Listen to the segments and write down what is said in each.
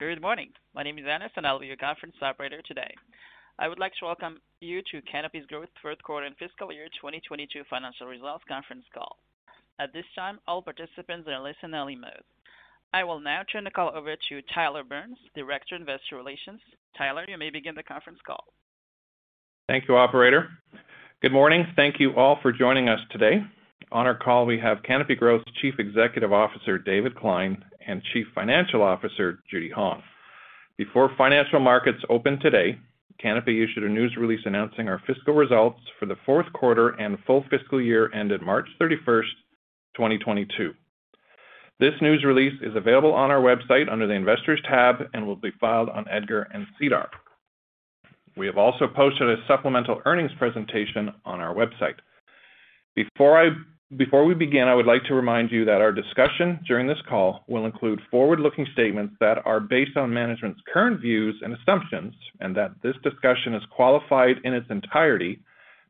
Good morning. My name is Annis, and I'll be your conference operator today. I would like to Welcome you to Canopy Growth fourth quarter and fiscal year 2022 financial results conference call. At this time, all participants are in listen-only mode. I will now turn the call over to Tyler Burns, Director, Investor Relations. Tyler, you may begin the conference call. Thank you, operator. Good morning. Thank you all for joining us today. On our call, we have Canopy Growth Chief Executive Officer, David Klein, and Chief Financial Officer, Judy Hong. Before financial markets open today, Canopy issued a news release announcing our fiscal results for the fourth quarter and full fiscal year ended March 31, 2022. This news release is available on our website under the Investors tab and will be filed on EDGAR and SEDAR. We have also posted a supplemental earnings presentation on our website. Before we begin, I would like to remind you that our discussion during this call will include forward-looking statements that are based on management's current views and assumptions, and that this discussion is qualified in its entirety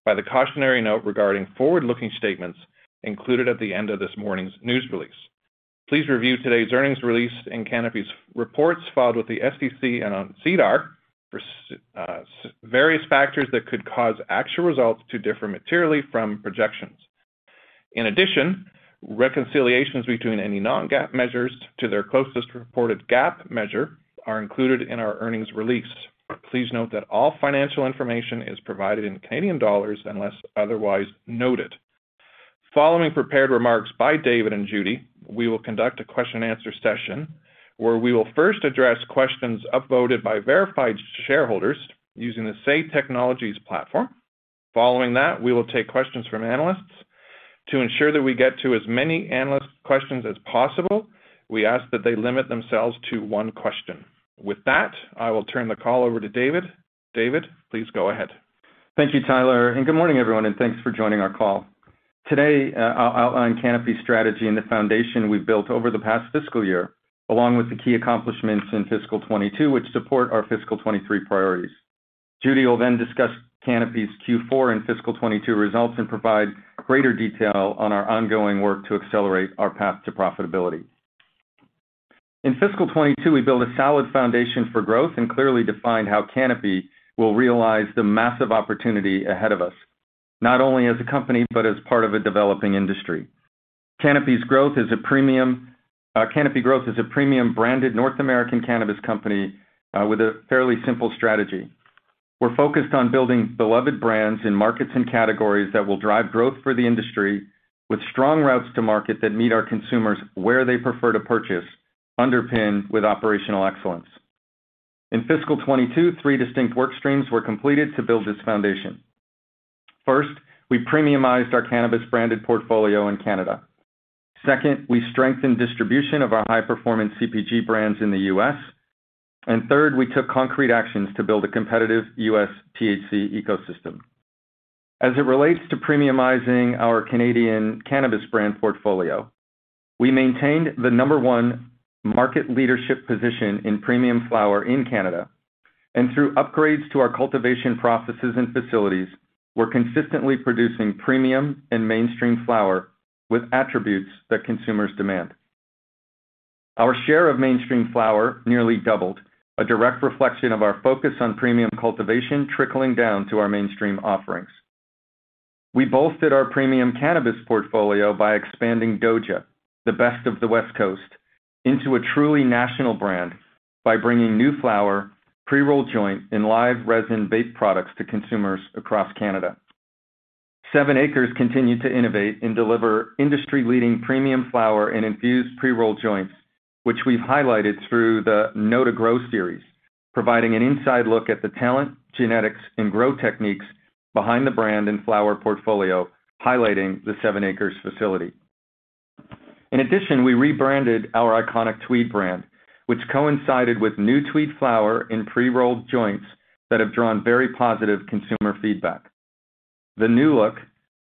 by the cautionary note regarding forward-looking statements included at the end of this morning's news release. Please review today's earnings release in Canopy's reports filed with the SEC and on SEDAR for various factors that could cause actual results to differ materially from projections. In addition, reconciliations between any non-GAAP measures to their closest reported GAAP measure are included in our earnings release. Please note that all financial information is provided in Canadian dollars unless otherwise noted. Following prepared remarks by David and Judy, we will conduct a question-and-answer session where we will first address questions upvoted by verified shareholders using the Say Technologies platform. Following that, we will take questions from analysts. To ensure that we get to as many analyst questions as possible, we ask that they limit themselves to one question. With that, I will turn the call over to David. David, please go ahead. Thank you, Tyler, and good morning, everyone, and thanks for joining our call. Today, I'll outline Canopy's strategy and the foundation we've built over the past fiscal year, along with the key accomplishments in fiscal 2022, which support our fiscal 2023 priorities. Judy will then discuss Canopy's Q4 and fiscal 2022 results and provide greater detail on our ongoing work to accelerate our path to profitability. In fiscal 2022, we built a solid foundation for growth and clearly defined how Canopy will realize the massive opportunity ahead of us, not only as a company, but as part of a developing industry. Canopy Growth is a premium branded North American cannabis company with a fairly simple strategy. We're focused on building beloved brands in markets and categories that will drive growth for the industry with strong routes to market that meet our consumers where they prefer to purchase, underpinned with operational excellence. In fiscal 2022, three distinct work streams were completed to build this foundation. First, we premiumized our cannabis branded portfolio in Canada. Second, we strengthened distribution of our high-performance CPG brands in the U.S. Third, we took concrete actions to build a competitive U.S. THC ecosystem. As it relates to premiumizing our Canadian cannabis brand portfolio, we maintained the number one market leadership position in premium flower in Canada. Through upgrades to our cultivation processes and facilities, we're consistently producing premium and mainstream flower with attributes that consumers demand. Our share of mainstream flower nearly doubled, a direct reflection of our focus on premium cultivation trickling down to our mainstream offerings. We bolstered our premium cannabis portfolio by expanding DOJA, the best of the West Coast, into a truly national brand by bringing new flower, pre-rolled joints, and live resin vape products to consumers across Canada. 7ACRES continued to innovate and deliver industry-leading premium flower and infused pre-rolled joints, which we've highlighted through the Know to Grow series, providing an inside look at the talent, genetics, and grow techniques behind the brand and flower portfolio, highlighting the 7ACRES facility. In addition, we rebranded our iconic Tweed brand, which coincided with the new Tweed flower in pre-rolled joints that have drawn very positive consumer feedback. The new look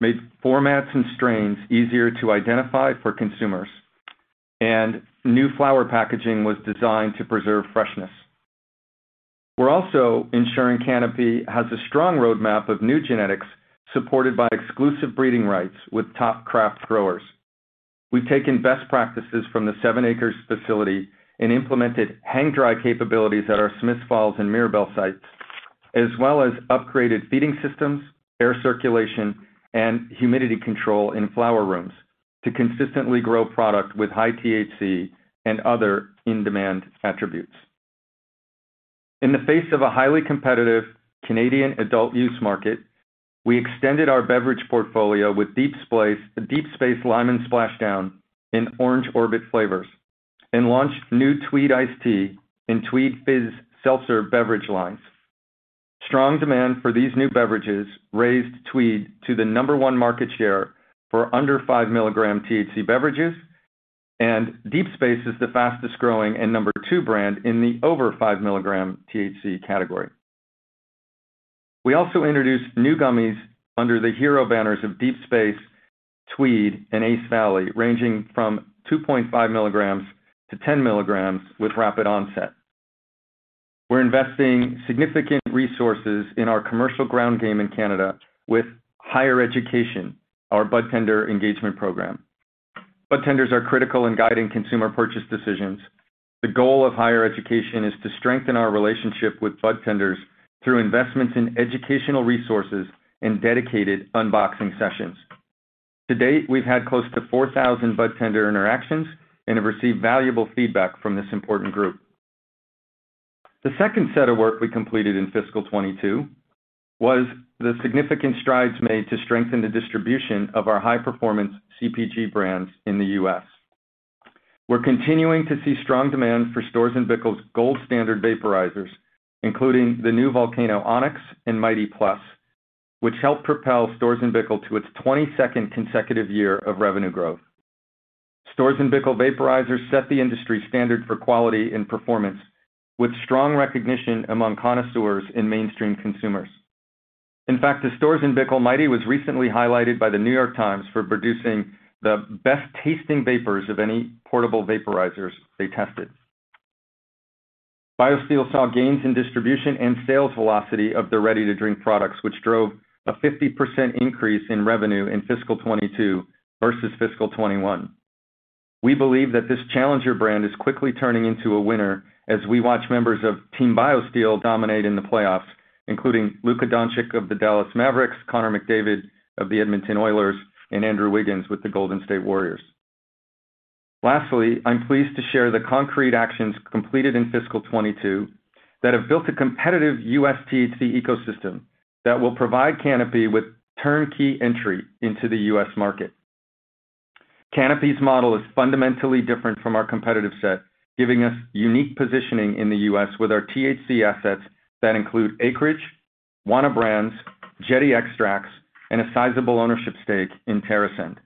made formats and strains easier to identify for consumers, and new flower packaging was designed to preserve freshness. We're also ensuring Canopy has a strong roadmap of new genetics supported by exclusive breeding rights with top craft growers. We've taken best practices from the 7ACRES facility and implemented hang-dry capabilities at our Smiths Falls and Mirabel sites, as well as upgraded feeding systems, air circulation, and humidity control in flower rooms to consistently grow product with high THC and other in-demand attributes. In the face of a highly competitive Canadian adult-use market, we extended our beverage portfolio with Deep Space Limon Splashdown and Orange Orbit flavors and launched new Tweed Iced Tea and Tweed Fizz Seltzer beverage lines. Strong demand for these new beverages raised Tweed to the number one market share for under 5-milligram THC beverages, and Deep Space is the fastest-growing and number two brand in the over 5-milligram THC category. We also introduced new gummies under the hero banners of Deep Space, Tweed, and Ace Valley, ranging from 2.5 milligrams to 10 milligrams with a rapid onset. We're investing significant resources in our commercial ground game in Canada, with higher education, our budtender engagement program. Budtenders are critical in guiding consumer purchase decisions. The goal of higher education is to strengthen our relationship with budtenders through investments in educational resources and dedicated unboxing sessions. To date, we've had close to 4,000 budtender interactions and have received valuable feedback from this important group. The second set of work we completed in fiscal 2022 was the significant strides made to strengthen the distribution of our high-performance CPG brands in the U.S. We're continuing to see strong demand for Storz & Bickel's gold standard vaporizers, including the new VOLCANO ONYX and MIGHTY+, which help propel Storz & Bickel to its 22nd consecutive year of revenue growth. Storz & Bickel vaporizers set the industry standard for quality and performance with strong recognition among connoisseurs and mainstream consumers. In fact, the Storz & Bickel MIGHTY was recently highlighted by The New York Times for producing the best-tasting vapors of any portable vaporizer they tested. BioSteel saw gains in distribution and sales velocity of their ready-to-drink products, which drove a 50% increase in revenue in fiscal 2022 versus fiscal 2021. We believe that this challenger brand is quickly turning into a winner as we watch members of Team BioSteel dominate in the playoffs, including Luka Dončić of the Dallas Mavericks, Connor McDavid of the Edmonton Oilers, and Andrew Wiggins with the Golden State Warriors. Lastly, I'm pleased to share the concrete actions completed in fiscal 2022 that have built a competitive U.S. THC ecosystem that will provide Canopy with turnkey entry into the U.S. market. Canopy's model is fundamentally different from our competitive set, giving us unique positioning in the U.S. with our THC assets that include Acreage, Wana Brands, Jetty Extracts, and a sizable ownership stake in TerrAscend.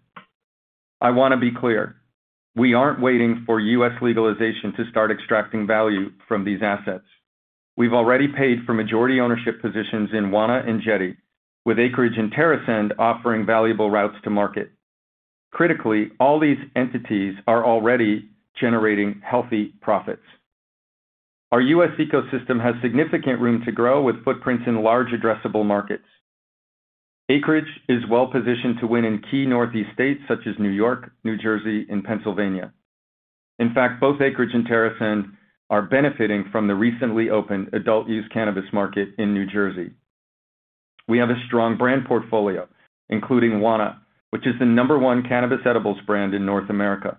I want to be clear, we aren't waiting for U.S. legalization to start extracting value from these assets. We've already paid for majority ownership positions in Wana and Jetty, with Acreage and TerrAscend offering valuable routes to market. Critically, all these entities are already generating healthy profits. Our US ecosystem has significant room to grow with footprints in large addressable markets. Acreage is well-positioned to win in key Northeast states such as New York, New Jersey, and Pennsylvania. In fact, both Acreage and TerrAscend are benefiting from the recently opened adult use cannabis market in New Jersey. We have a strong brand portfolio, including Wana, which is the number one cannabis edibles brand in North America,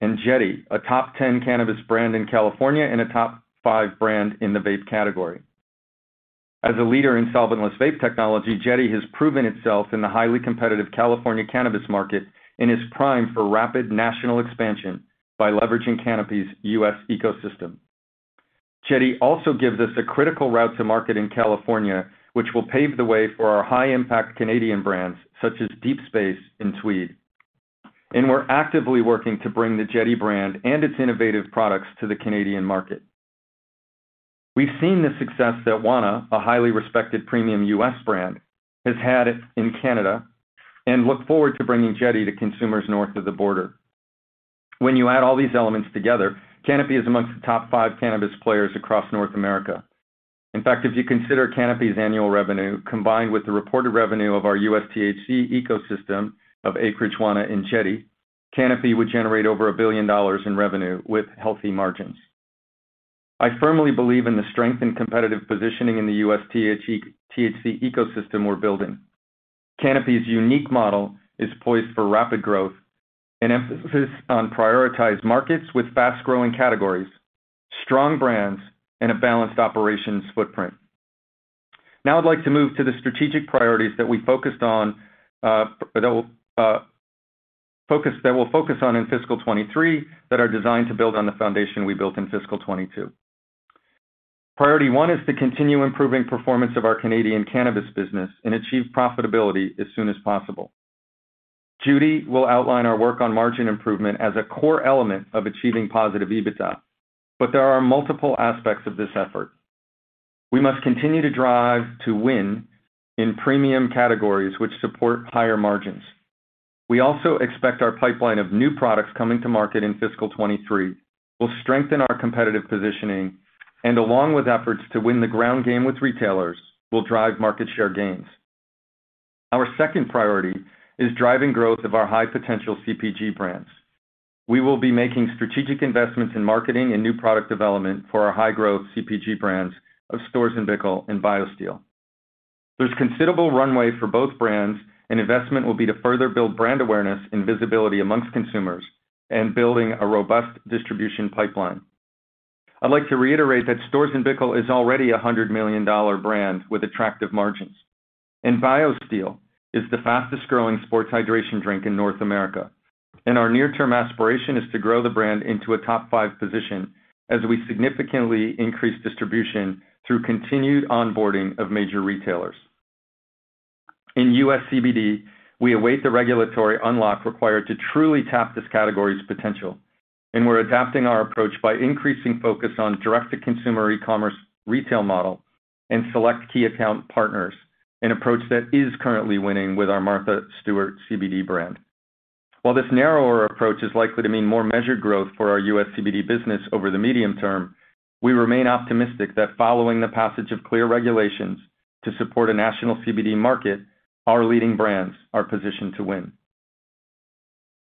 and Jetty, a top 10 cannabis brand in California and a top five brand in the vape category. As a leader in solventless vape technology, Jetty has proven itself in the highly competitive California cannabis market and is primed for rapid national expansion by leveraging Canopy's US ecosystem. Jetty also gives us a critical route to market in California, which will pave the way for our high-impact Canadian brands such as Deep Space and Tweed. We're actively working to bring the Jetty brand and its innovative products to the Canadian market. We've seen the success that Wana, a highly respected premium U.S. brand, has had in Canada and look forward to bringing Jetty to consumers north of the border. When you add all these elements together, Canopy is among the top five cannabis players across North America. In fact, if you consider Canopy's annual revenue combined with the reported revenue of our U.S. THC ecosystem of Acreage, Wana, and Jetty, Canopy would generate over $1 billion in revenue with healthy margins. I firmly believe in the strength and competitive positioning in the U.S. THC ecosystem we're building. Canopy's unique model is poised for rapid growth and emphasis on prioritized markets with fast-growing categories, strong brands, and a balanced operations footprint. Now I'd like to move to the strategic priorities that we'll focus on in fiscal 2023 that are designed to build on the foundation we built in fiscal 2022. Priority one is to continue improving the performance of our Canadian cannabis business and achieve profitability as soon as possible. Judy will outline our work on margin improvement as a core element of achieving positive EBITDA, but there are multiple aspects of this effort. We must continue to drive to win in premium categories that support higher margins. We also expect our pipeline of new products coming to market in fiscal 2023 will strengthen our competitive positioning and, along with efforts to win the ground game with retailers, will drive market share gains. Our second priority is driving the growth of our high-potential CPG brands. We will be making strategic investments in marketing and new product development for our high-growth CPG brands of Storz & Bickel and BioSteel. There's considerable runway for both brands, and investment will be made to further build brand awareness and visibility among consumers and build a robust distribution pipeline. I'd like to reiterate that Storz & Bickel is already a $100 million brand with attractive margins. BioSteel is the fastest-growing sports hydration drink in North America, and our near-term aspiration is to grow the brand into a top-five position as we significantly increase distribution through continued onboarding of major retailers. In US CBD, we await the regulatory unlock required to truly tap this category's potential, and we're adapting our approach by increasing focus on a direct-to-consumer e-commerce retail model and select key account partners, an approach that is currently winning with our Martha Stewart CBD brand. While this narrower approach is likely to mean more measured growth for our US CBD business over the medium term, we remain optimistic that following the passage of clear regulations to support a national CBD market, our leading brands are positioned to win.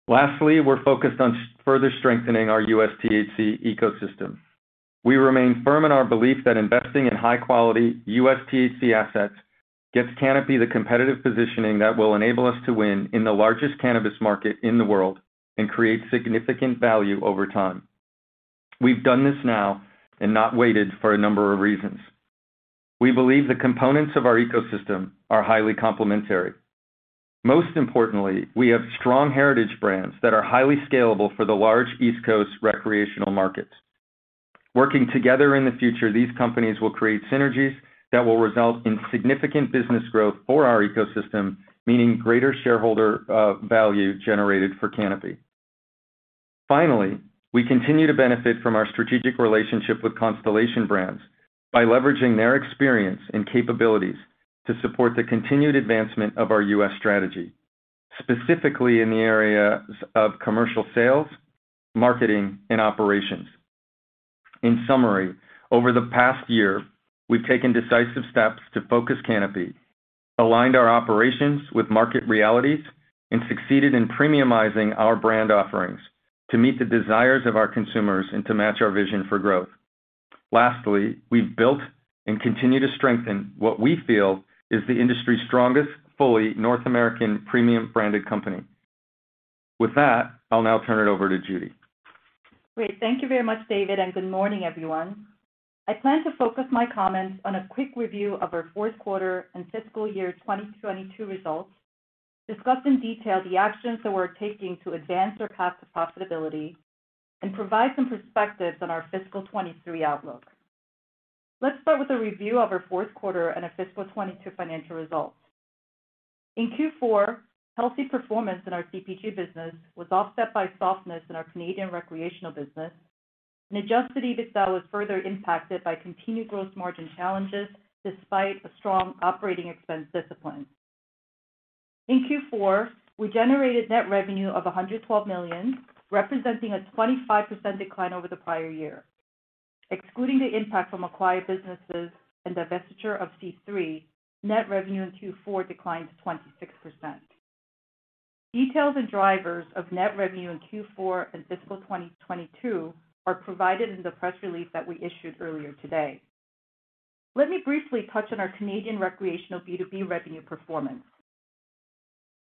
Lastly, we're focused on further strengthening our US THC ecosystem. We remain firm in our belief that investing in high-quality US THC assets gives Canopy the competitive positioning that will enable us to win in the largest cannabis market in the world and create significant value over time. We've done this now and not waited for a number of reasons. We believe the components of our ecosystem are highly complementary. Most importantly, we have strong heritage brands that are highly scalable for the large East Coast recreational markets. Working together in the future, these companies will create synergies that will result in significant business growth for our ecosystem, meaning greater shareholder value generated for Canopy. Finally, we continue to benefit from our strategic relationship with Constellation Brands by leveraging their experience and capabilities to support the continued advancement of our US strategy, specifically in the areas of commercial sales, marketing, and operations. In summary, over the past year, we've taken decisive steps to focus Canopy, aligned our operations with market realities, and succeeded in premiumizing our brand offerings to meet the desires of our consumers and to match our vision for growth. Lastly, we've built and continue to strengthen what we feel is the industry's strongest, fully North American premium branded company. With that, I'll now turn it over to Judy. Great. Thank you very much, David, and good morning, everyone. I plan to focus my comments on a quick review of our fourth quarter and fiscal year 2022 results, discuss in detail the actions that we're taking to advance our path to profitability, and provide some perspectives on our fiscal 2023 outlook. Let's start with a review of our fourth quarter and our fiscal 2022 financial results. In Q4, healthy performance in our CPG business was offset by softness in our Canadian recreational business, and Adjusted EBITDA was further impacted by continued gross margin challenges despite a strong operating expense discipline. In Q4, we generated net revenue of 112 million, representing a 25% decline over the prior year. Excluding the impact from acquired businesses and the divestiture of C3, net revenue in Q4 declined 26%. Details and drivers of net revenue in Q4 and fiscal 2022 are provided in the press release that we issued earlier today. Let me briefly touch on our Canadian recreational B2B revenue performance.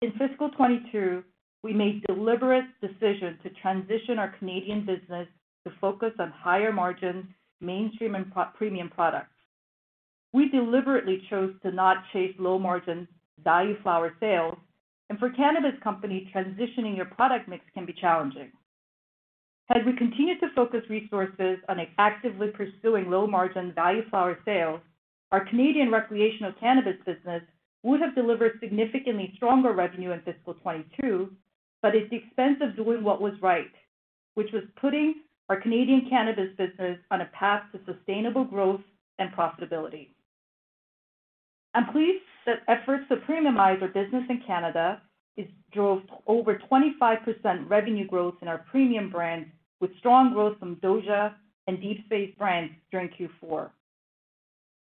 In fiscal 2022, we made a deliberate decision to transition our Canadian business to focus on higher-margin, mainstream, and pro-premium products. We deliberately chose to not chase low-margin value flower sales, and for a cannabis company, transitioning your product mix can be challenging. As we continue to focus resources on actively pursuing low-margin value flower sales, our Canadian recreational cannabis business would have delivered significantly stronger revenue in fiscal 2022, but at the expense of doing what was right, which was putting our Canadian cannabis business on a path to sustainable growth and profitability. I'm pleased that efforts to premiumize our business in Canada is. Drove over 25% revenue growth in our premium brands with strong growth from Doja and Deep Space brands during Q4.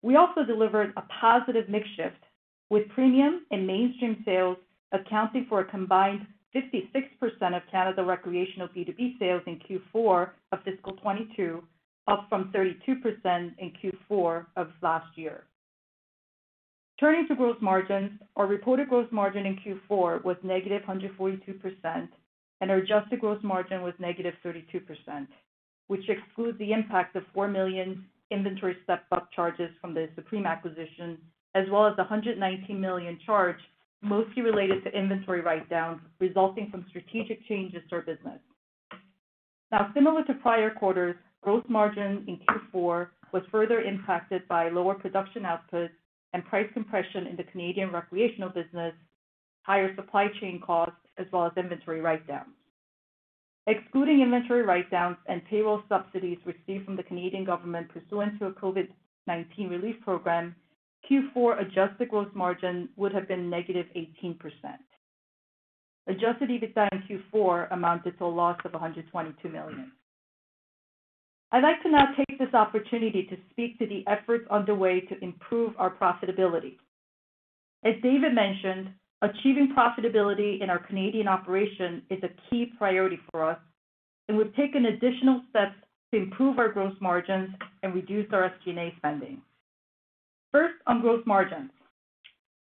We also delivered a positive mix shift with premium and mainstream sales accounting for a combined 56% of Canada recreational B2B sales in Q4 of fiscal 2022, up from 32% in Q4 of last year. Turning to gross margins, our reported gross margin in Q4 was -142%, and our adjusted gross margin was -32%, which excludes the impact of 4 million inventory step-up charges from the Supreme acquisition, as well as a 119 million charge, mostly related to inventory write-downs resulting from strategic changes to our business. Now, similar to prior quarters, gross margin in Q4 was further impacted by lower production output and price compression in the Canadian recreational business, higher supply chain costs, as well as inventory write-downs. Excluding inventory write-downs and payroll subsidies received from the Canadian government pursuant to a COVID-19 relief program, Q4 adjusted gross margin would have been negative 18%. Adjusted EBITDA in Q4 amounted to a loss of 122 million. I'd like to now take this opportunity to speak to the efforts underway to improve our profitability. As David mentioned, achieving profitability in our Canadian operation is a key priority for us, and we've taken additional steps to improve our gross margins and reduce our SG&A spending. First, on gross margins.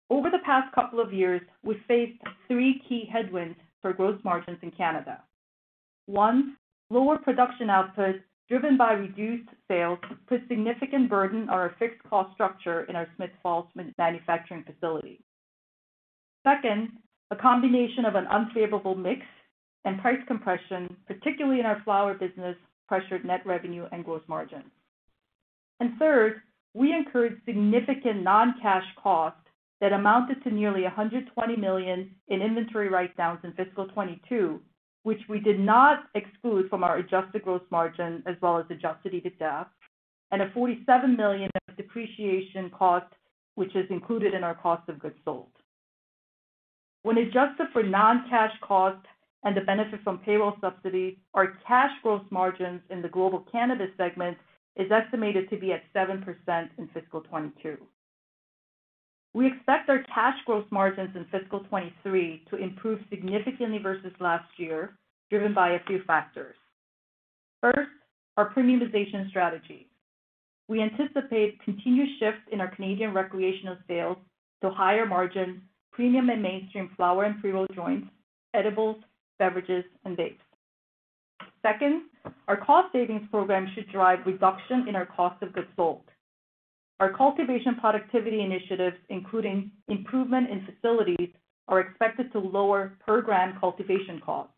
Over the past couple of years, we've faced three key headwinds for gross margins in Canada. One, lower production output driven by reduced sales put significant burden on our fixed cost structure in our Smiths Falls manufacturing facility. Second, a combination of an unfavorable mix and price compression, particularly in our flower business, pressured net revenue and gross margins. Third, we incurred significant non-cash costs that amounted to nearly 120 million in inventory write-downs in fiscal 2022, which we did not exclude from our adjusted gross margin as well as Adjusted EBITDA. A 47 million of depreciation cost, which is included in our cost of goods sold. When adjusted for non-cash costs and the benefit from payroll subsidy, our cash gross margins in the global cannabis segment is estimated to be at 7% in fiscal 2022. We expect our cash gross margins in fiscal 2023 to improve significantly versus last year, driven by a few factors. First, our premiumization strategy. We anticipate continued shifts in our Canadian recreational sales to higher margins, premium and mainstream flower and pre-rolled joints, edibles, beverages, and vapes. Second, our cost savings program should drive reduction in our cost of goods sold. Our cultivation productivity initiatives, including improvement in facilities, are expected to lower per gram cultivation costs.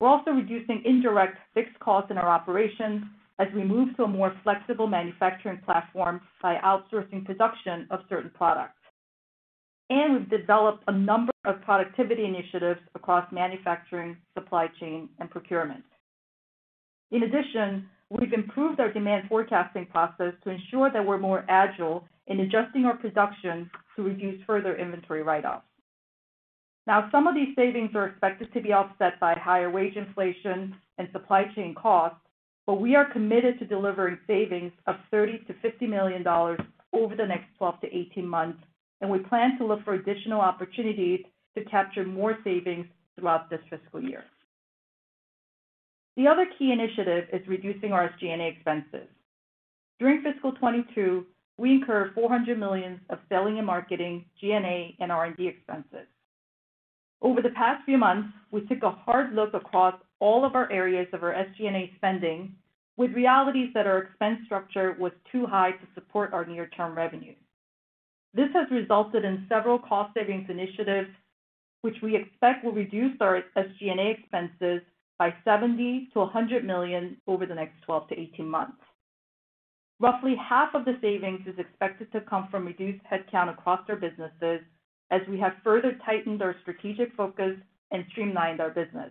We're also reducing indirect fixed costs in our operations as we move to a more flexible manufacturing platform by outsourcing production of certain products. We've developed a number of productivity initiatives across manufacturing, supply chain, and procurement. In addition, we've improved our demand forecasting process to ensure that we're more agile in adjusting our production to reduce further inventory write-offs. Some of these savings are expected to be offset by higher wage inflation and supply chain costs, but we are committed to delivering savings of 30 million-50 million dollars over the next 12-18 months, and we plan to look for additional opportunities to capture more savings throughout this fiscal year. The other key initiative is reducing our SG&A expenses. During fiscal 2022, we incurred 400 million of selling and marketing, G&A, and R&D expenses. Over the past few months, we took a hard look across all of our areas of our SG&A spending with realities that our expense structure was too high to support our near-term revenues. This has resulted in several cost savings initiatives, which we expect will reduce our SG&A expenses by 70-100 million over the next 12-18 months. Roughly half of the savings is expected to come from reduced headcount across our businesses as we have further tightened our strategic focus and streamlined our business.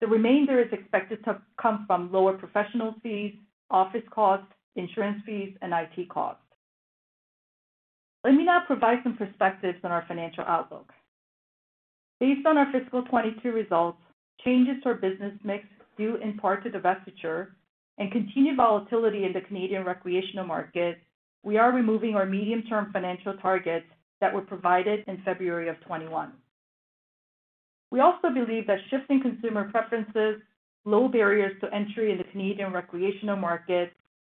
The remainder is expected to come from lower professional fees, office costs, insurance fees, and IT costs. Let me now provide some perspectives on our financial outlook. Based on our fiscal 2022 results, changes to our business mix due in part to divestiture and continued volatility in the Canadian recreational market, we are removing our medium-term financial targets that were provided in February of 2021. We also believe that shifting consumer preferences, low barriers to entry in the Canadian recreational market,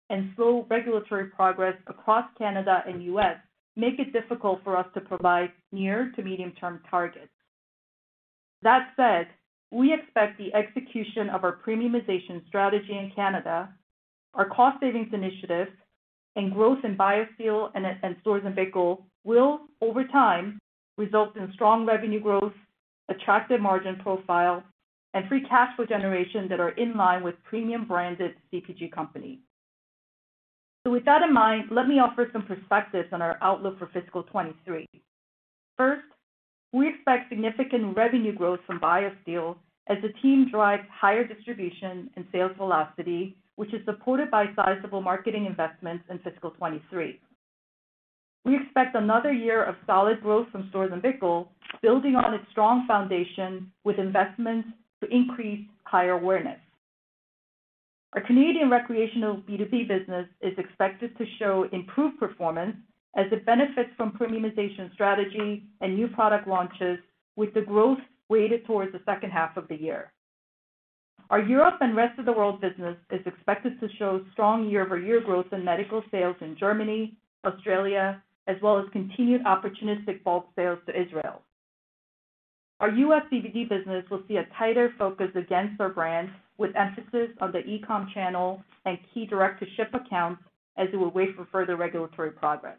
and slow regulatory progress across Canada and U.S. make it difficult for us to provide near- to medium-term targets. That said, we expect the execution of our premiumization strategy in Canada, our cost savings initiatives, and growth in BioSteel and Storz & Bickel will over time result in strong revenue growth, attractive margin profile, and free cash flow generation that are in line with premium branded CPG companies. With that in mind, let me offer some perspectives on our outlook for fiscal 2023. First, we expect significant revenue growth from BioSteel as the team drives higher distribution and sales velocity, which is supported by sizable marketing investments in fiscal 2023. We expect another year of solid growth from Storz & Bickel, building on its strong foundation with investments to increase higher awareness. Our Canadian recreational B2B business is expected to show improved performance as it benefits from premiumization strategy and new product launches, with the growth weighted towards the second half of the year. Our Europe and rest of the world business is expected to show strong year-over-year growth in medical sales in Germany, Australia, as well as continued opportunistic bulk sales to Israel. Our US CBD business will see a tighter focus against our brands, with emphasis on the e-com channel and key direct-to-ship accounts as we wait for further regulatory progress.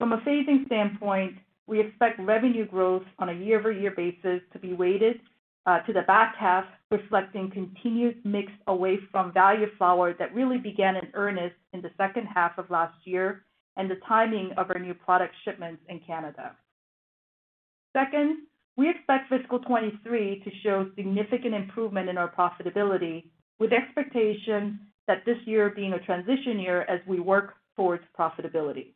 From a phasing standpoint, we expect revenue growth on a year-over-year basis to be weighted to the back half, reflecting continued mix away from value flower that really began in earnest in the second half of last year and the timing of our new product shipments in Canada. Second, we expect fiscal 2023 to show significant improvement in our profitability, with expectations that this year being a transition year as we work towards profitability.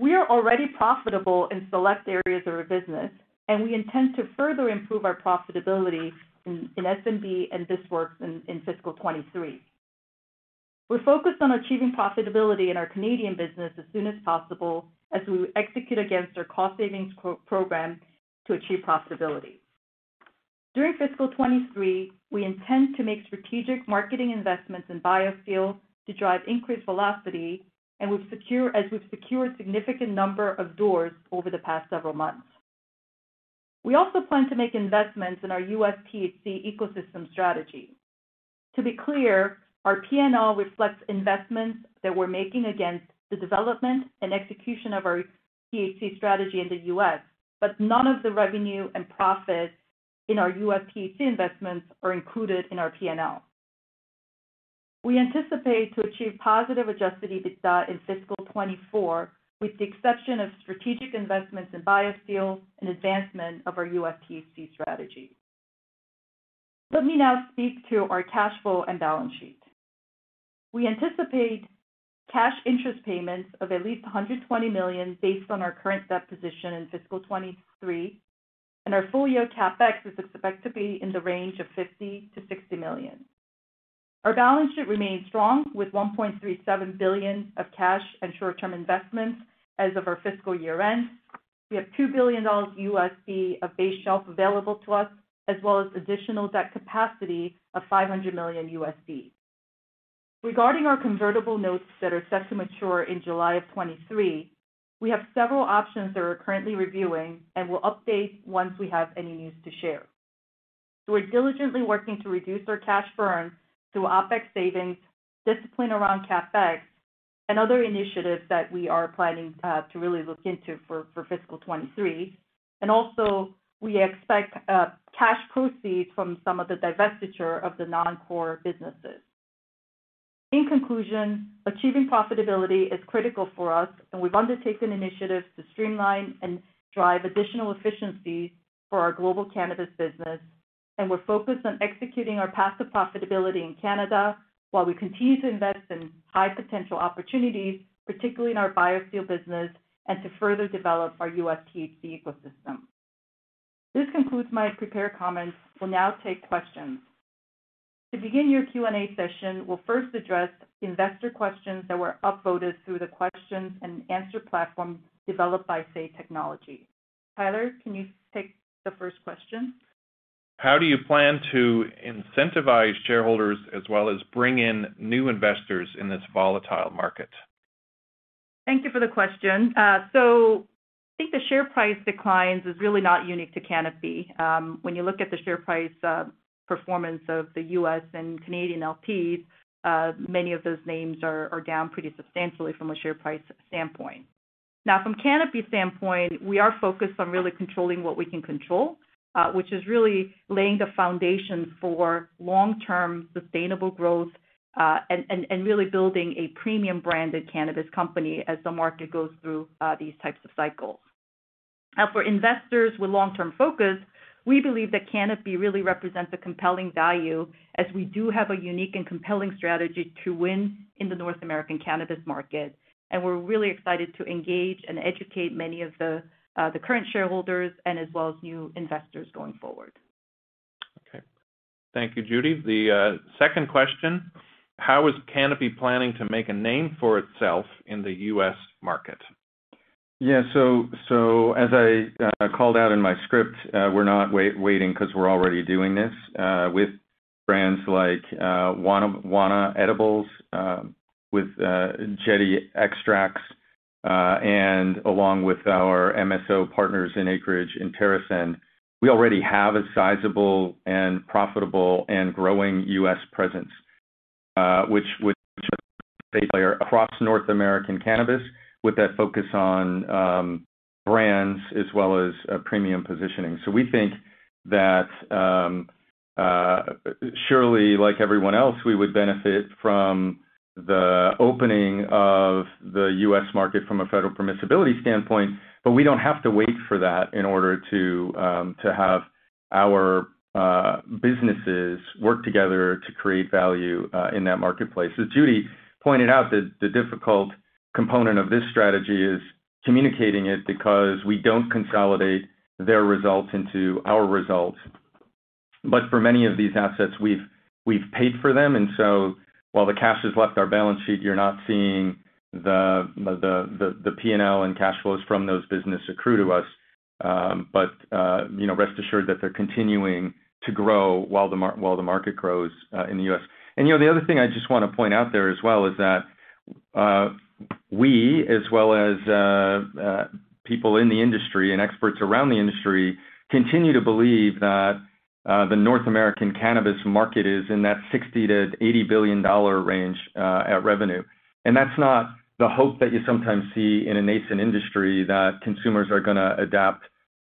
We are already profitable in select areas of our business, and we intend to further improve our profitability in S&B and This Works in fiscal 2023. We're focused on achieving profitability in our Canadian business as soon as possible, as we execute against our cost savings program to achieve profitability. During fiscal 2023, we intend to make strategic marketing investments in BioSteel to drive increased velocity, and as we've secured a significant number of doors over the past several months. We also plan to make investments in our U.S. THC ecosystem strategy. To be clear, our P&L reflects investments that we're making against the development and execution of our THC strategy in the U.S., but none of the revenue and profit in our U.S. THC investments are included in our P&L. We anticipate to achieve positive Adjusted EBITDA in fiscal 2024, with the exception of strategic investments in BioSteel and advancement of our U.S. THC strategy. Let me now speak to our cash flow and balance sheet. We anticipate cash interest payments of at least 120 million based on our current debt position in fiscal 2023, and our full-year CapEx is expected to be in the range of 50-60 million. Our balance sheet remains strong with 1.37 billion of cash and short-term investments as of our fiscal year-end. We have $2 billion of base shelf available to us, as well as additional debt capacity of $500 million. Regarding our convertible notes that are set to mature in July 2023, we have several options that we're currently reviewing and will update once we have any news to share. We're diligently working to reduce our cash burn through OpEx savings, discipline around CapEx, and other initiatives that we are planning to really look into for fiscal 2023. Also, we expect cash proceeds from some of the divestitures of the non-core businesses. In conclusion, achieving profitability is critical for us, and we've undertaken initiatives to streamline and drive additional efficiencies for our global cannabis business. We're focused on executing our path to profitability in Canada while we continue to invest in high-potential opportunities, particularly in our BioSteel business, and to further develop our US THC ecosystem. This concludes my prepared comments. We'll now take questions. To begin your Q&A session, we'll first address investor questions that were upvoted through the questions and answer platform developed by Say Technologies. Tyler, can you take the first question? How do you plan to incentivize shareholders as well as bring in new investors in this volatile market? Thank you for the question. So, I think the share price decline is really not unique to Canopy. When you look at the share price performance of the U.S. and Canadian LPs, many of those names are down pretty substantially from a share price standpoint. Now, from Canopy's standpoint, we are focused on really controlling what we can control, which is really laying the foundation for long-term sustainable growth, and really building a premium brand in cannabis company as the market goes through these types of cycles. Now, for investors with a long-term focus, we believe that Canopy really represents a compelling value, as we do have a unique and compelling strategy to win in the North American cannabis market. We're really excited to engage and educate many of the current shareholders, and as well as new investors, going forward. Okay. Thank you, Judy. The second question is, how is Canopy planning to make a name for itself in the U.S. market? Yeah. As I called out in my script, we're not waiting because we're already doing this with brands like Wana edibles, with Jetty Extracts, and along with our MSO partners in Acreage and TerrAscend. We already have a sizable and profitable and growing U.S. presence, which across North American cannabis, with that focus on brands as well as a premium positioning. We think that surely like everyone else, we would benefit from the opening of the U.S. market from a federal permissibility standpoint, but we don't have to wait for that in order to have our businesses work together to create value in that marketplace. As Judy pointed out, the difficult component of this strategy is communicating it because we don't consolidate their results into our results. For many of these assets, we've paid for them, and so while the cash has left our balance sheet, you're not seeing the P&L and cash flows from those businesses accrue to us. You know, rest assured that they're continuing to grow while the market grows in the US. You know, the other thing I just wanna point out there as well is that we, as well as people in the industry and experts around the industry, continue to believe that the North American cannabis market is in that $60 billion-$80 billion range at revenue. That's not the hope that you sometimes see in a nascent industry that consumers are gonna adapt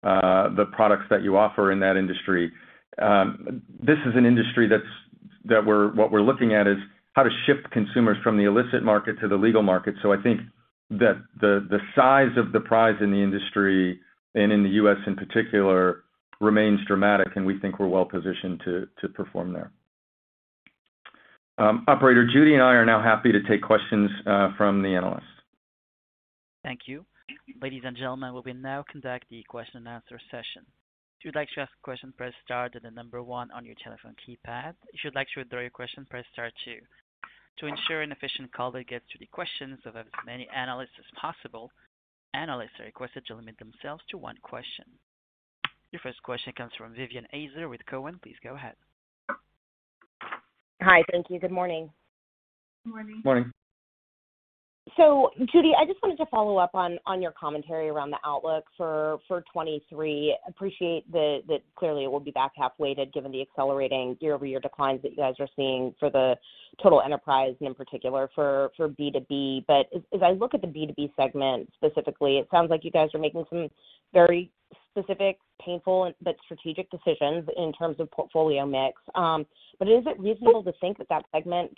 the products that you offer in that industry. This is an industry that's what we're looking at is how to shift consumers from the illicit market to the legal market. I think that the size of the prize in the industry, and in the US in particular, remains dramatic, and we think we're well-positioned to perform there. Operator, Judy and I are now happy to take questions from the analysts. Thank you. Ladies and gentlemen, we will now conduct the question and answer session. If you would like to ask a question, press star, then the number one on your telephone keypad. If you'd like to withdraw your question, press star two. To ensure an efficient call that gets to the questions of as many analysts as possible, analysts are requested to limit themselves to one question. Your first question comes from Vivien Azer with Cowen. Please go ahead. Hi. Thank you. Good morning. Good morning. Morning. Judy, I just wanted to follow up on your commentary around the outlook for 2023. Appreciate that clearly it will be back half-weighted given the accelerating year-over-year declines that you guys are seeing for the total enterprise, and in particular for B2B. But as I look at the B2B segment specifically, it sounds like you guys are making some very specific, painful, but strategic decisions in terms of portfolio mix. But is it reasonable to think that segment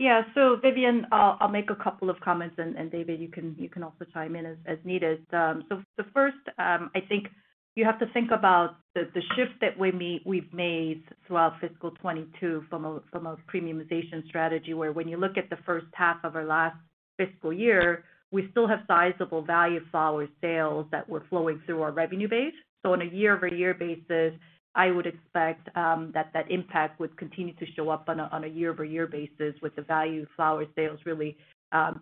can grow next year on a full year basis? Thanks. Vivian, I'll make a couple of comments, and David, you can also chime in as needed. I think you have to think about the shift that we've made throughout fiscal 2022 from a premiumization strategy, where when you look at the first half of our last fiscal year, we still have sizable value flower sales that were flowing through our revenue base. On a year-over-year basis, I would expect that impact would continue to show up on a year-over-year basis with the value flower sales really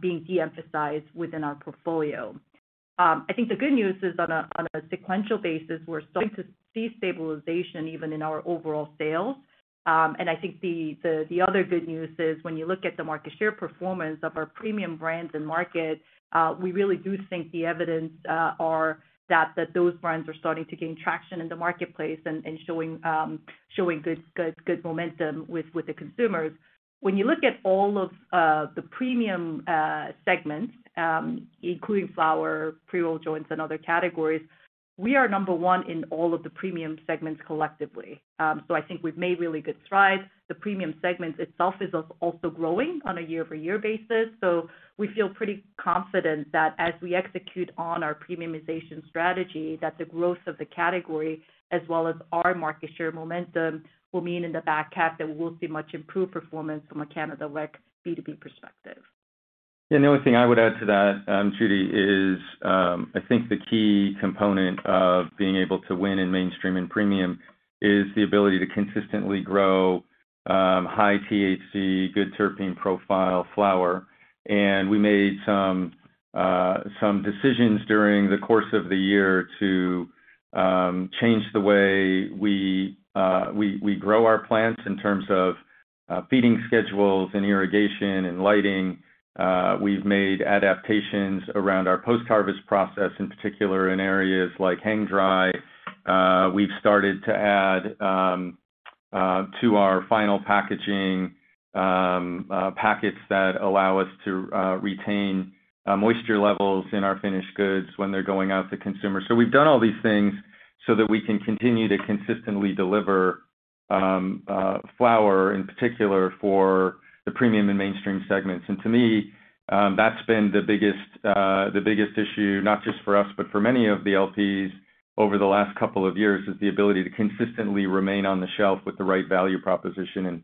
being de-emphasized within our portfolio. I think the good news is on a sequential basis, we're starting to see stabilization even in our overall sales. I think the other good news is when you look at the market share performance of our premium brands in market, we really do think the evidence is that those brands are starting to gain traction in the marketplace and showing good momentum with the consumers. When you look at all of the premium segments, including flower, pre-roll joints and other categories, we are number one in all of the premium segments collectively. I think we've made really good strides. The premium segment itself is also growing on a year-over-year basis. We feel pretty confident that as we execute on our premiumization strategy, that the growth of the category as well as our market share momentum will mean in the back half that we will see much improved performance from a Canada rec B2B perspective. The only thing I would add to that, Judy, is I think the key component of being able to win in mainstream and premium is the ability to consistently grow high THC, good terpene profile flower. We made some decisions during the course of the year to change the way we grow our plants in terms of feeding schedules and irrigation and lighting. We've made adaptations around our post-harvest process, in particular in areas like hang dry. We've started to add to our final packaging packets that allow us to retain moisture levels in our finished goods when they're going out to consumers. We've done all these things so that we can continue to consistently deliver flower in particular for the premium and mainstream segments. To me, that's been the biggest issue, not just for us, but for many of the LPs over the last couple of years, is the ability to consistently remain on the shelf with the right value proposition.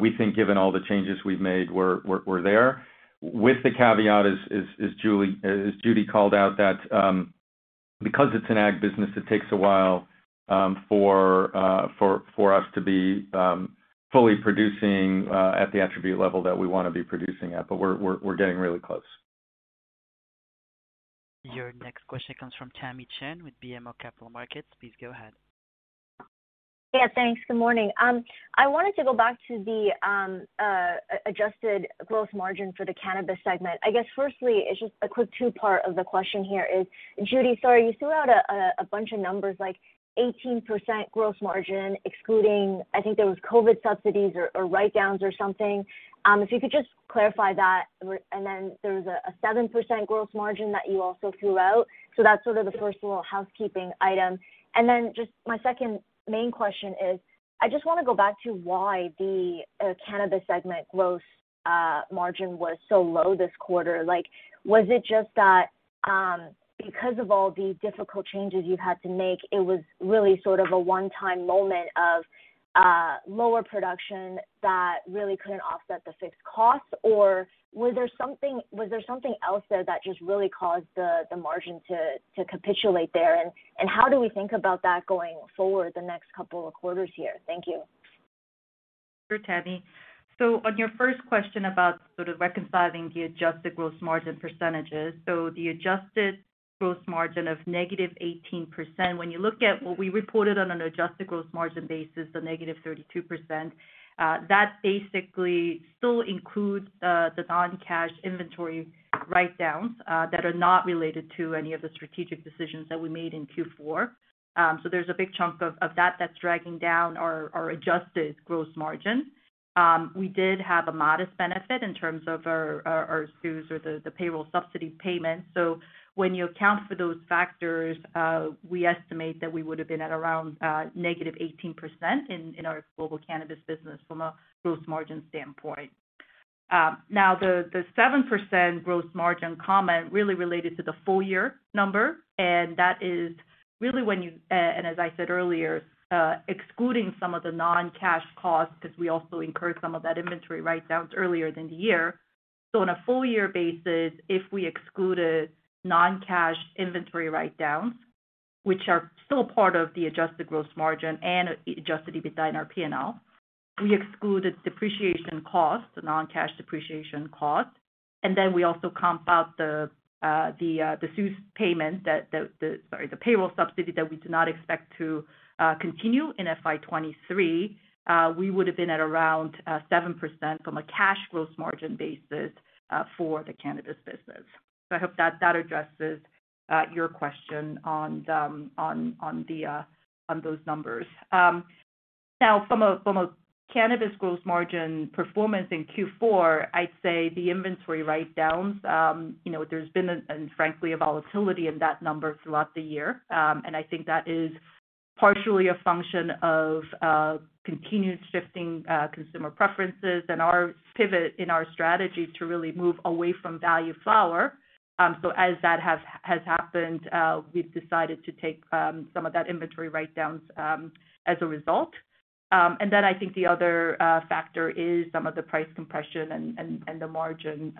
We think given all the changes we've made, we're there. With the caveat as Judy called out, that because it's an ag business, it takes a while for us to be fully producing at the attribute level that we wanna be producing at, but we're getting really close. Your next question comes from Tamy Chen with BMO Capital Markets. Please go ahead. Yeah, thanks. Good morning. I wanted to go back to the adjusted gross margin for the cannabis segment. I guess firstly, it's just a quick two-part of the question here is, Judy, sorry, you threw out a bunch of numbers like 18% gross margin excluding, I think there was COVID subsidies or write-downs or something. If you could just clarify that. Then there was a 7% gross margin that you also threw out. That's sort of the first little housekeeping item. Then just my second main question is, I just wanna go back to why the cannabis segment gross margin was so low this quarter. Like, was it just that, because of all the difficult changes you've had to make, it was really sort of a one-time moment of, lower production that really couldn't offset the fixed costs? Or was there something else there that just really caused the margin to capitulate there? How do we think about that going forward the next couple of quarters here? Thank you. Sure, Tamy. On your first question about sort of reconciling the adjusted gross margin percentages. The adjusted gross margin of negative 18%, when you look at what we reported on an adjusted gross margin basis, so negative 32%, that basically still includes the non-cash inventory write-downs that are not related to any of the strategic decisions that we made in Q4. There's a big chunk of that that's dragging down our adjusted gross margin. We did have a modest benefit in terms of our CEWS or the payroll subsidy payment. When you account for those factors, we estimate that we would've been at around negative 18% in our global cannabis business from a gross margin standpoint. Now the 7% gross margin comment really related to the full year number. As I said earlier, excluding some of the non-cash costs, 'cause we also incurred some of that inventory write-downs earlier in the year. On a full year basis, if we excluded non-cash inventory write-downs, which are still part of the adjusted gross margin and Adjusted EBITDA in our P&L, we excluded non-cash depreciation costs, and then we also comp out the CEWS payment. Sorry, the payroll subsidy that we do not expect to continue in FY 2023. We would've been at around 7% from a cash gross margin basis for the cannabis business. I hope that addresses your question on those numbers. From a cannabis gross margin performance in Q4, I'd say the inventory write-downs, you know, there's been, and frankly, a volatility in that number throughout the year. I think that is partially a function of continued shifting consumer preferences and our pivot in our strategy to really move away from value flower. As that has happened, we've decided to take some of those inventory write-downs as a result. I think the other factor is some of the price compression and the margin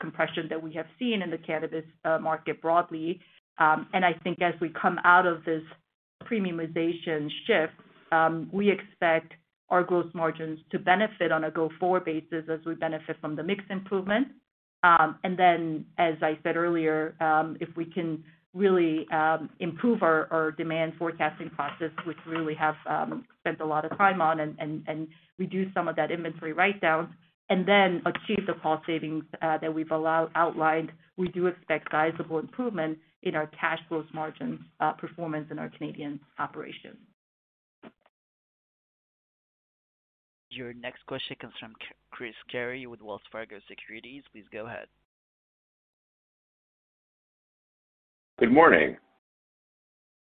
compression that we have seen in the cannabis market broadly. I think as we come out of this premiumization shift, we expect our gross margins to benefit on a go-forward basis as we benefit from the mix improvement. As I said earlier, if we can really improve our demand forecasting process, which really have spent a lot of time on and reduce some of that inventory write-down, and then achieve the cost savings that we've outlined, we do expect a sizable improvement in our cash gross margins performance in our Canadian operations. Your next question comes from Chris Carey with Wells Fargo Securities. Please go ahead. Good morning.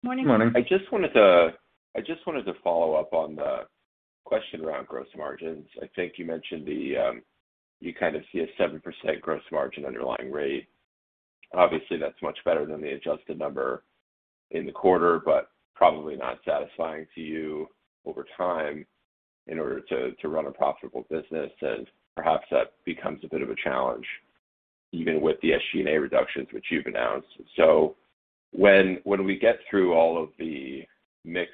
Morning. Morning. I just wanted to follow up on the question around gross margins. I think you mentioned the you kind of see a 7% gross margin underlying rate. Obviously, that's much better than the adjusted number in the quarter, but probably not satisfying to you over time in order to run a profitable business. Perhaps that becomes a bit of a challenge even with the SG&A reductions which you've announced. When we get through all of the mix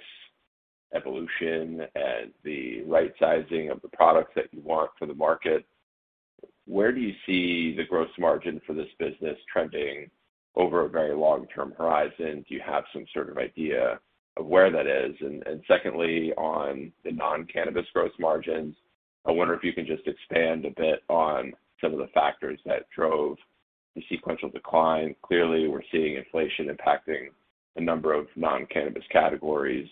evolution and the right sizing of the products that you want for the market, where do you see the gross margin for this business trending over a very long-term horizon? Do you have some sort of idea of where that is? Secondly, on the non-cannabis gross margins, I wonder if you can just expand a bit on some of the factors that drove the sequential decline. Clearly, we're seeing inflation impacting a number of non-cannabis categories.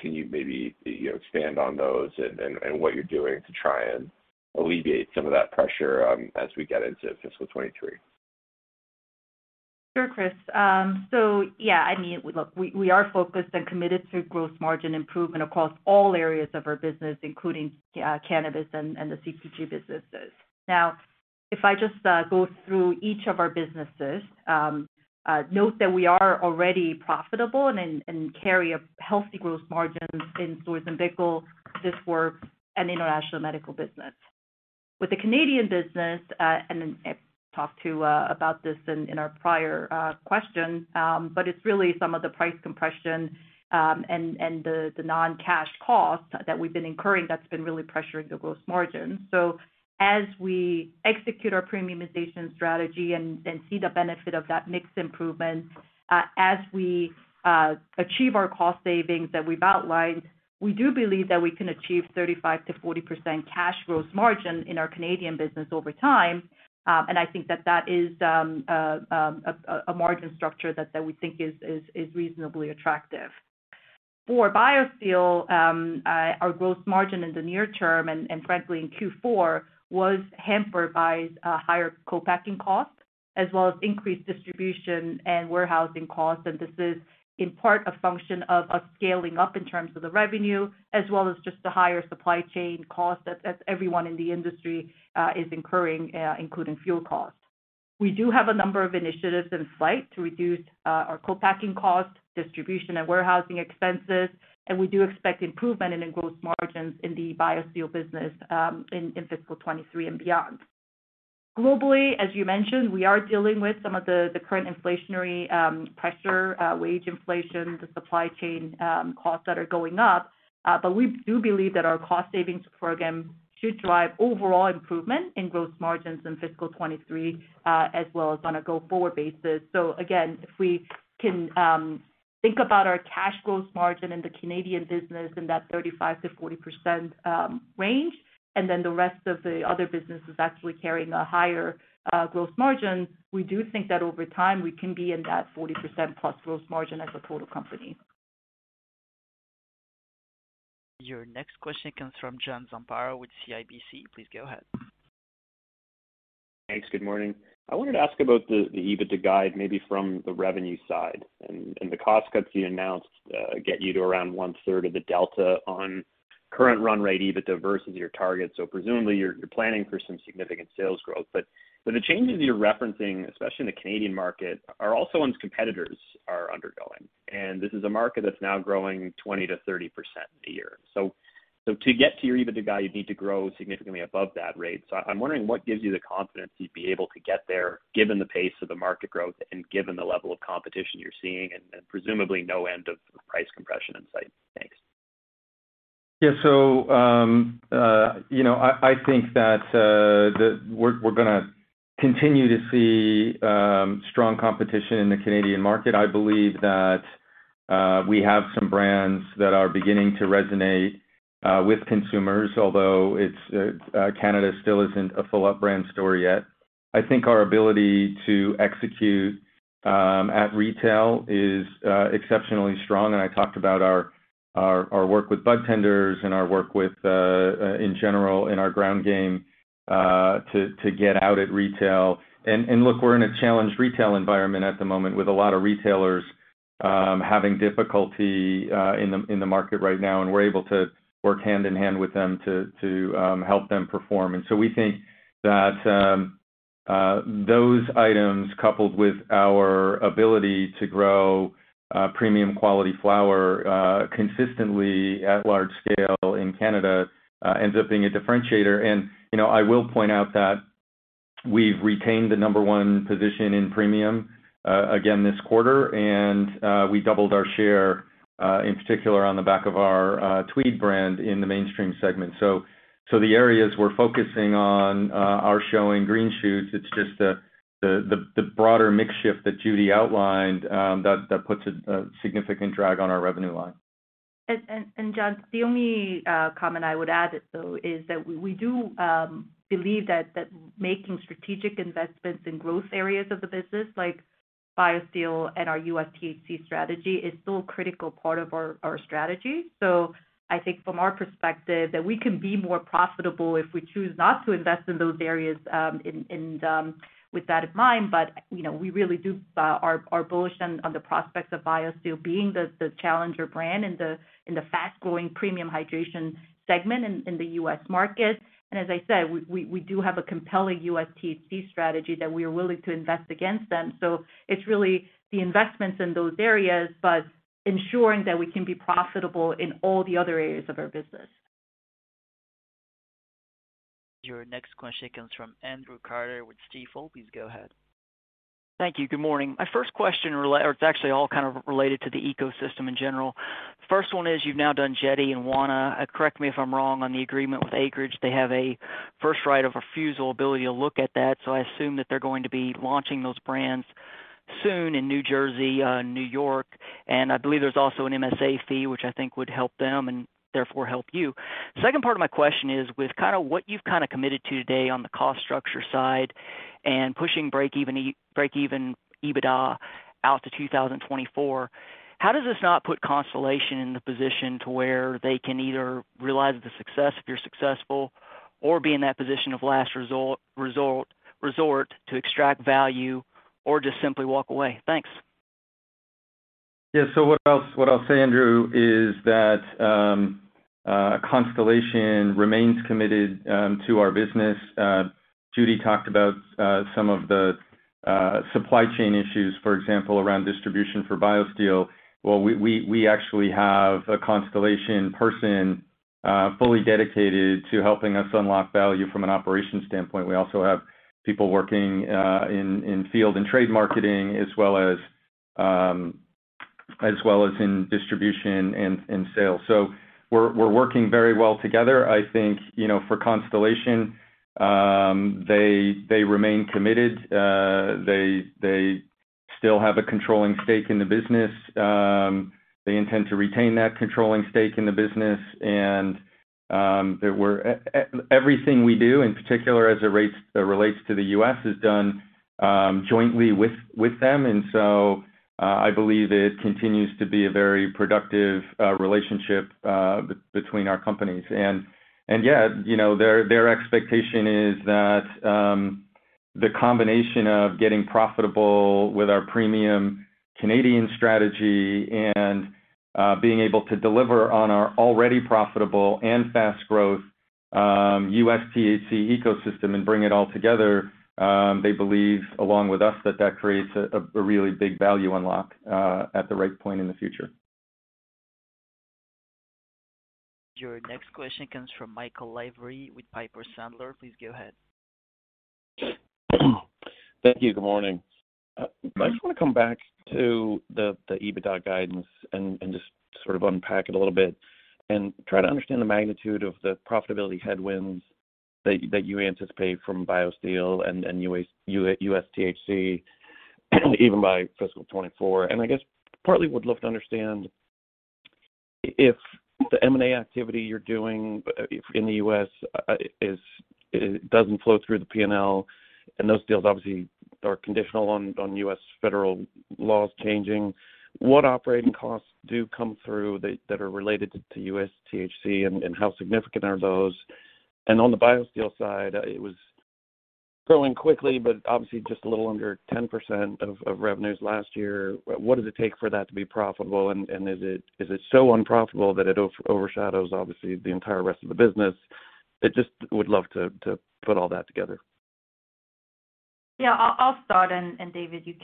Can you maybe, you know, expand on those and what you're doing to try and alleviate some of that pressure as we get into fiscal 2023? Sure, Chris. So yeah, I mean, look, we are focused and committed to gross margin improvement across all areas of our business, including cannabis and the CPG businesses. Now, if I just go through each of our businesses, note that we are already profitable and carry a healthy gross margin in Storz & Bickel, This Works, and international medical business. With the Canadian business, I talked about this in our prior question, but it's really some of the price compression and the non-cash cost that we've been incurring that's been really pressuring the gross margin. As we execute our premiumization strategy and see the benefit of that mix improvement, as we achieve our cost savings that we've outlined, we do believe that we can achieve 35%-40% cash gross margin in our Canadian business over time. I think that is a margin structure that we think is reasonably attractive. For BioSteel, our growth margin in the near term, and frankly in Q4, was hampered by a higher co-packing cost as well as increased distribution and warehousing costs. This is in part a function of us scaling up in terms of the revenue as well as just the higher supply chain cost that everyone in the industry is incurring, including fuel costs. We do have a number of initiatives in flight to reduce our co-packing costs, distribution and warehousing expenses, and we do expect improvement in the gross margins in the BioSteel business in fiscal 2023 and beyond. Globally, as you mentioned, we are dealing with some of the current inflationary pressure, wage inflation, the supply chain costs that are going up. We do believe that our cost savings program should drive overall improvement in gross margins in fiscal 2023, as well as on a go-forward basis. Again, if we can think about our cash gross margin in the Canadian business in that 35%-40% range, and then the rest of the other businesses actually carrying a higher gross margin, we do think that over time we can be in that 40%+ gross margin as a total company. Your next question comes from John Zamparo with CIBC. Please go ahead. Thanks. Good morning. I wanted to ask about the EBITDA guide maybe from the revenue side. The cost cuts you announced get you to around one-third of the delta on current run rate EBITDA versus your target. Presumably you're planning for some significant sales growth. The changes you're referencing, especially in the Canadian market, are also ones competitors are undergoing. This is a market that's now growing 20%-30% a year. To get to your EBITDA guide, you'd need to grow significantly above that rate. I'm wondering what gives you the confidence you'd be able to get there given the pace of the market growth and given the level of competition you're seeing and presumably no end of price compression in sight. Thanks. Yeah. You know, I think that we're gonna continue to see strong competition in the Canadian market. I believe that we have some brands that are beginning to resonate with consumers, although it's Canada still isn't a full out brand story yet. I think our ability to execute at retail is exceptionally strong, and I talked about our Our work with budtenders and our work in general in our ground game to get out at retail. Look, we're in a challenged retail environment at the moment with a lot of retailers having difficulty in the market right now, and we're able to work hand in hand with them to help them perform. We think that those items, coupled with our ability to grow premium quality flower consistently at large scale in Canada, ends up being a differentiator. You know, I will point out that we've retained the number one position in premium again this quarter, and we doubled our share in particular on the back of our Tweed brand in the mainstream segment. The areas we're focusing on are showing green shoots. It's just the broader mix shift that Judy outlined that puts a significant drag on our revenue line. John, the only comment I would add though is that we do believe that making strategic investments in growth areas of the business like BioSteel and our U.S. THC strategy is still a critical part of our strategy. I think from our perspective that we can be more profitable if we choose not to invest in those areas, with that in mind. You know, we really are bullish on the prospects of BioSteel being the challenger brand in the fast-growing premium hydration segment in the U.S. market. As I said, we do have a compelling U.S. THC strategy that we are willing to invest against them. It's really the investments in those areas, but ensuring that we can be profitable in all the other areas of our business. Your next question comes from Andrew Carter with Stifel. Please go ahead. Thank you. Good morning. My first question or it's actually all kind of related to the ecosystem in general. First one is, you've now done Jetty and Wana. Correct me if I'm wrong, on the agreement with Acreage, they have a first right of refusal ability to look at that. So I assume that they're going to be launching those brands soon in New Jersey, New York, and I believe there's also an MSA fee, which I think would help them and therefore help you. Second part of my question is, with kind of what you've kind of committed to today on the cost structure side and pushing break-even EBITDA out to 2024, how does this not put Constellation Brands in the position to where they can either realize the success if you're successful, or be in that position of last resort to extract value or just simply walk away? Thanks. Yeah. What I'll say, Andrew, is that Constellation Brands remains committed to our business. Judy talked about some of the supply chain issues, for example, around distribution for BioSteel. Well, we actually have a Constellation Brands person fully dedicated to helping us unlock value from an operations standpoint. We also have people working in field and trade marketing as well as in distribution and sales. We're working very well together. I think, you know, for Constellation Brands, they remain committed. They still have a controlling stake in the business. They intend to retain that controlling stake in the business. Everything we do, and in particular as it relates to the U.S., is done jointly with them. I believe it continues to be a very productive relationship between our companies. Yeah, you know, their expectation is that the combination of getting profitable with our premium Canadian strategy and being able to deliver on our already profitable and fast growth U.S. THC ecosystem and bring it all together, they believe along with us that that creates a really big value unlock at the right point in the future. Your next question comes from Michael Lavery with Piper Sandler. Please go ahead. Thank you. Good morning. I just wanna come back to the EBITDA guidance and just sort of unpack it a little bit and try to understand the magnitude of the profitability headwinds that you anticipate from BioSteel and U.S. THC even by fiscal 2024. I guess partly would love to understand if the M&A activity you're doing in the U.S. it doesn't flow through the P&L, and those deals obviously are conditional on U.S. federal laws changing. What operating costs do come through that that are related to U.S. THC, and how significant are those? On the BioSteel side, it was growing quickly, but obviously just a little under 10% of revenues last year. What does it take for that to be profitable? Is it so unprofitable that it overshadows obviously the entire rest of the business? I just would love to put all that together. I'll start, and David, you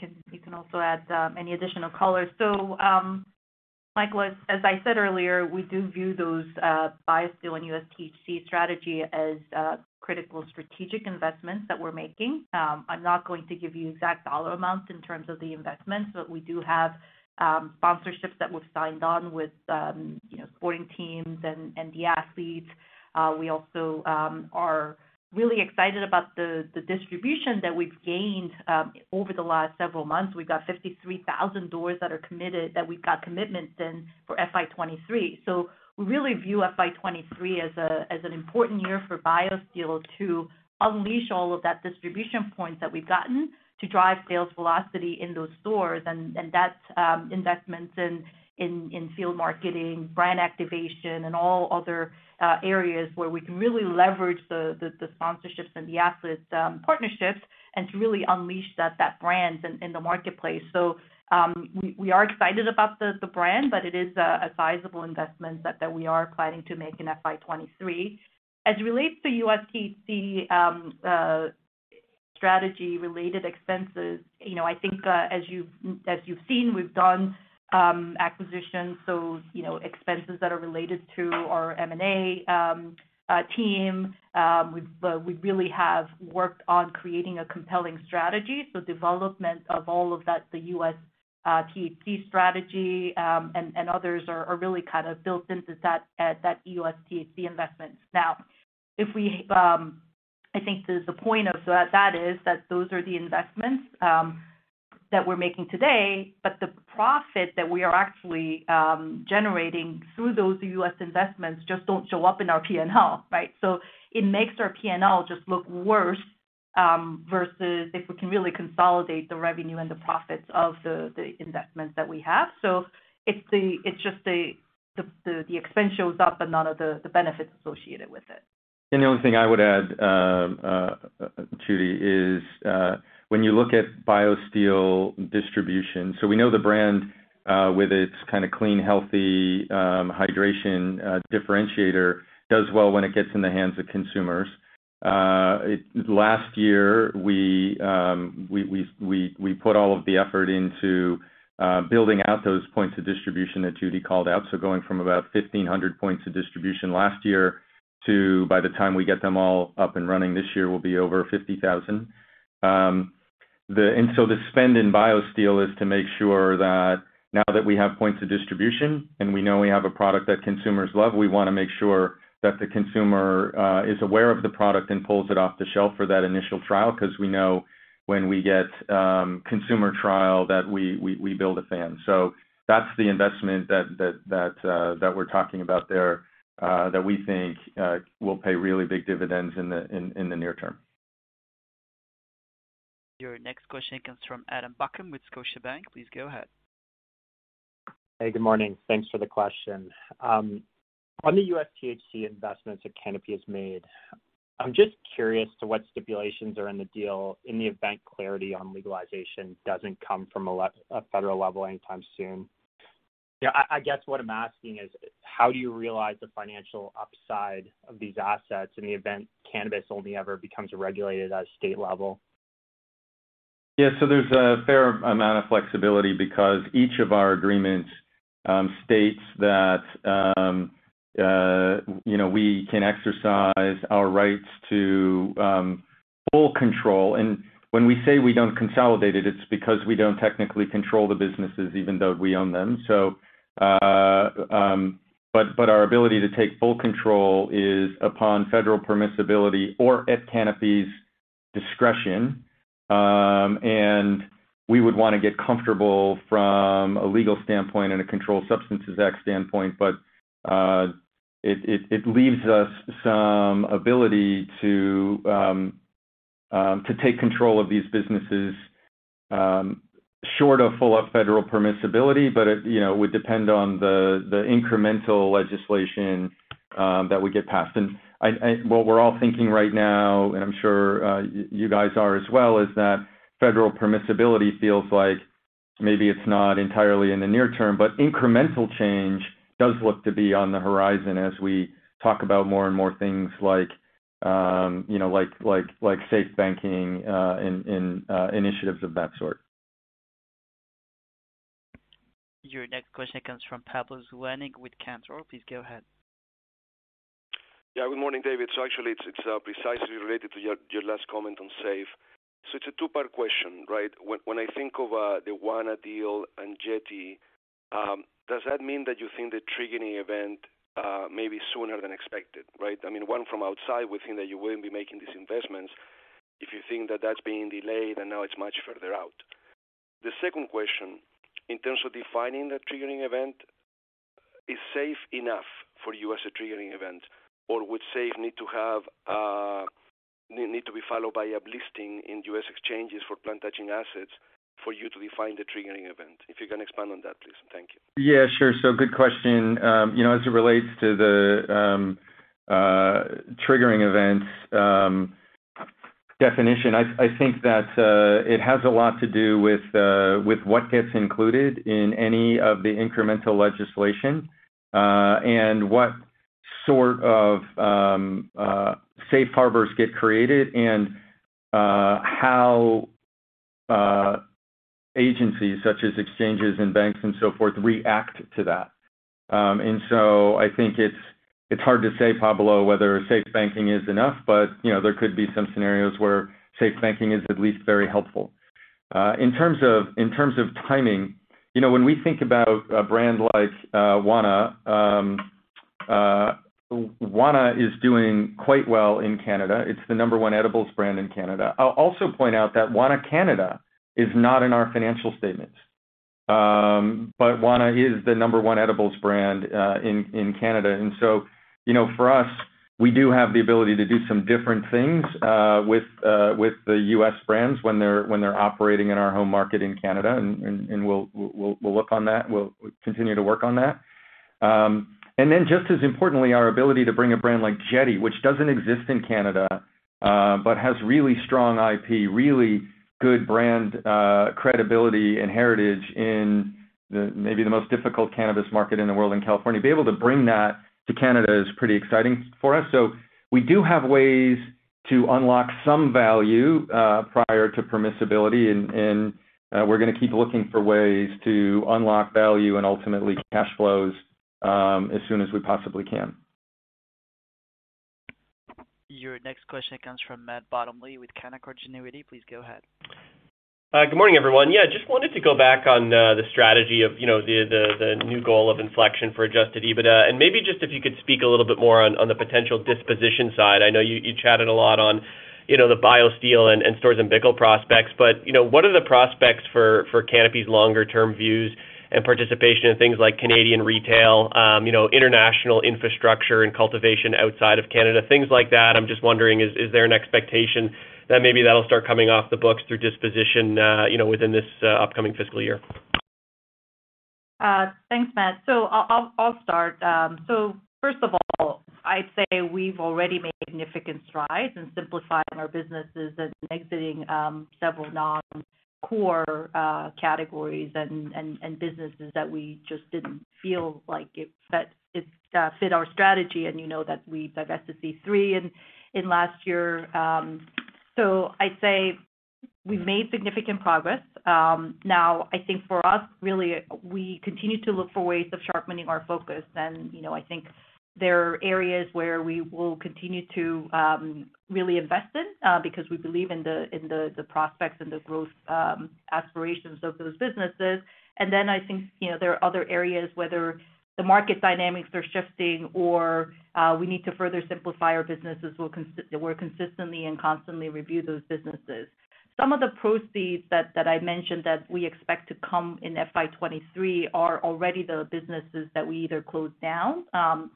can also add any additional color. Michael, as I said earlier, we do view those BioSteel and U.S. THC strategies as critical strategic investments that we're making. I'm not going to give you exact dollar amounts in terms of the investments, but we do have sponsorships that we've signed on with, you know, sporting teams and the athletes. We also are really excited about the distribution that we've gained over the last several months. We've got 53,000 doors that are committed, that we've got commitments in for FY 2023. We really view FY 2023 as an important year for BioSteel to unleash all of those distribution points that we've gotten to drive sales velocity in those stores. That's investments in field marketing, brand activation, and all other areas where we can really leverage the sponsorships and the athletes' partnerships, and to really unleash that brand in the marketplace. We are excited about the brand, but it is a sizable investment that we are planning to make in FY 2023. As it relates to U.S. THC strategy-related expenses. You know, I think, as you've seen, we've done acquisitions, so you know, expenses that are related to our M&A team. We really have worked on creating a compelling strategy. Development of all of that, the U.S. THC strategy, and others are really kind of built into that U.S. THC investment. Now, if we, I think the point of that is that those are the investments that we're making today, but the profit that we are actually generating through those U.S. investments just doesn't show up in our P&L, right? It makes our P&L just look worse, versus if we can really consolidate the revenue and the profits of the investments that we have. It's just the expense shows up, but none of the benefits associated with it. The only thing I would add, Judy, is when you look at BioSteel distribution. We know the brand with its kind of clean, healthy hydration differentiator does well when it gets in the hands of consumers. Last year, we put all of the effort into building out those points of distribution that Judy called out. Going from about 1,500 points of distribution last year to, by the time we get them all up and running this year, will be over 50,000. The spend in BioSteel is to make sure that now that we have points of distribution and we know we have a product that consumers love, we want to make sure that the consumer is aware of the product and pulls it off the shelf for that initial trial. Because we know when we get consumer trial that we build a fan. That's the investment that we're talking about there that we think will pay really big dividends in the near term. Your next question comes from Adam Buckham with Scotiabank. Please go ahead. Hey, good morning. Thanks for the question. On the U.S. THC investments that Canopy has made, I'm just curious as to what stipulations are in the deal in the event clarity on legalization doesn't come from the federal level anytime soon. You know, I guess what I'm asking is how do you realize the financial upside of these assets in the event cannabis only ever becomes regulated at a state level? Yeah. There's a fair amount of flexibility because each of our agreements states that, you know, we can exercise our rights to full control. When we say we don't consolidate it's because we don't technically control the businesses even though we own them. Our ability to take full control is upon federal permissibility or at Canopy's discretion. We would want to get comfortable from a legal standpoint and a Controlled Substances Act standpoint. It leaves us some ability to take control of these businesses short of full up federal permissibility, but it, you know, would depend on the incremental legislation that would get passed. I... What we're all thinking right now, and I'm sure you guys are as well, is that federal permissibility feels like maybe it's not entirely in the near term, but incremental change does look to be on the horizon as we talk about more and more things like, you know, like safe banking, and initiatives of that sort. Your next question comes from Pablo Zuanic with Cantor. Please go ahead. Yeah. Good morning, David. Actually, it's precisely related to your last comment on SAFE. It's a two-part question, right? When I think of the Wana deal and Jetty, does that mean that you think the triggering event may be sooner than expected, right? I mean, one from outside, we think that you wouldn't be making these investments if you think that that's being delayed, and now it's much further out. The second question, in terms of defining the triggering event, is SAFE enough for you as a triggering event, or would SAFE need to be followed by a listing in U.S. exchanges for plant-touching assets for you to define the triggering event? If you can expand on that, please. Thank you. Yeah, sure. Good question. You know, as it relates to the triggering event definition, I think that it has a lot to do with what gets included in any of the incremental legislation and what sort of safe harbors get created and how agencies such as exchanges and banks and so forth react to that. I think it's hard to say, Pablo, whether SAFE Banking is enough, but you know, there could be some scenarios where SAFE Banking is at least very helpful. In terms of timing, you know, when we think about a brand like Wana is doing quite well in Canada. It's the number one edibles brand in Canada. I'll also point out that Wana Canada is not in our financial statements. Wana is the number one edibles brand in Canada. You know, for us, we do have the ability to do some different things with the US brands when they're operating in our home market in Canada, and we'll work on that. We'll continue to work on that. Then just as importantly, our ability to bring a brand like Jetty, which doesn't exist in Canada, but has really strong IP, really good brand credibility and heritage in maybe the most difficult cannabis market in the world in California, be able to bring that to Canada is pretty exciting for us. We do have ways to unlock some value prior to permissibility. We're gonna keep looking for ways to unlock value and ultimately cash flows, as soon as we possibly can. Your next question comes from Matt Bottomley with Canaccord Genuity. Please go ahead. Good morning, everyone. Yeah, just wanted to go back on the strategy of, you know, the new goal of inflection for Adjusted EBITDA. Maybe just if you could speak a little bit more on the potential disposition side. I know you chatted a lot on, you know, the BioSteel and Storz & Bickel prospects. What are the prospects for Canopy's longer-term views and participation in things like Canadian retail, you know, international infrastructure and cultivation outside of Canada, things like that. I'm just wondering, is there an expectation that maybe that'll start coming off the books through disposition, you know, within this upcoming fiscal year? Thanks, Matt. I'll start. First of all, I'd say we've already made significant strides in simplifying our businesses and exiting several non-core categories and businesses that we just didn't feel like it fit our strategy. You know that we divested C³ in last year. I'd say we've made significant progress. Now I think for us really we continue to look for ways of sharpening our focus and, you know, I think there are areas where we will continue to really invest in because we believe in the prospects and the growth aspirations of those businesses. I think, you know, there are other areas whether the market dynamics are shifting or we need to further simplify our businesses, we'll consistently and constantly review those businesses. Some of the proceeds that I mentioned that we expect to come in FY 2023 are already the businesses that we either closed down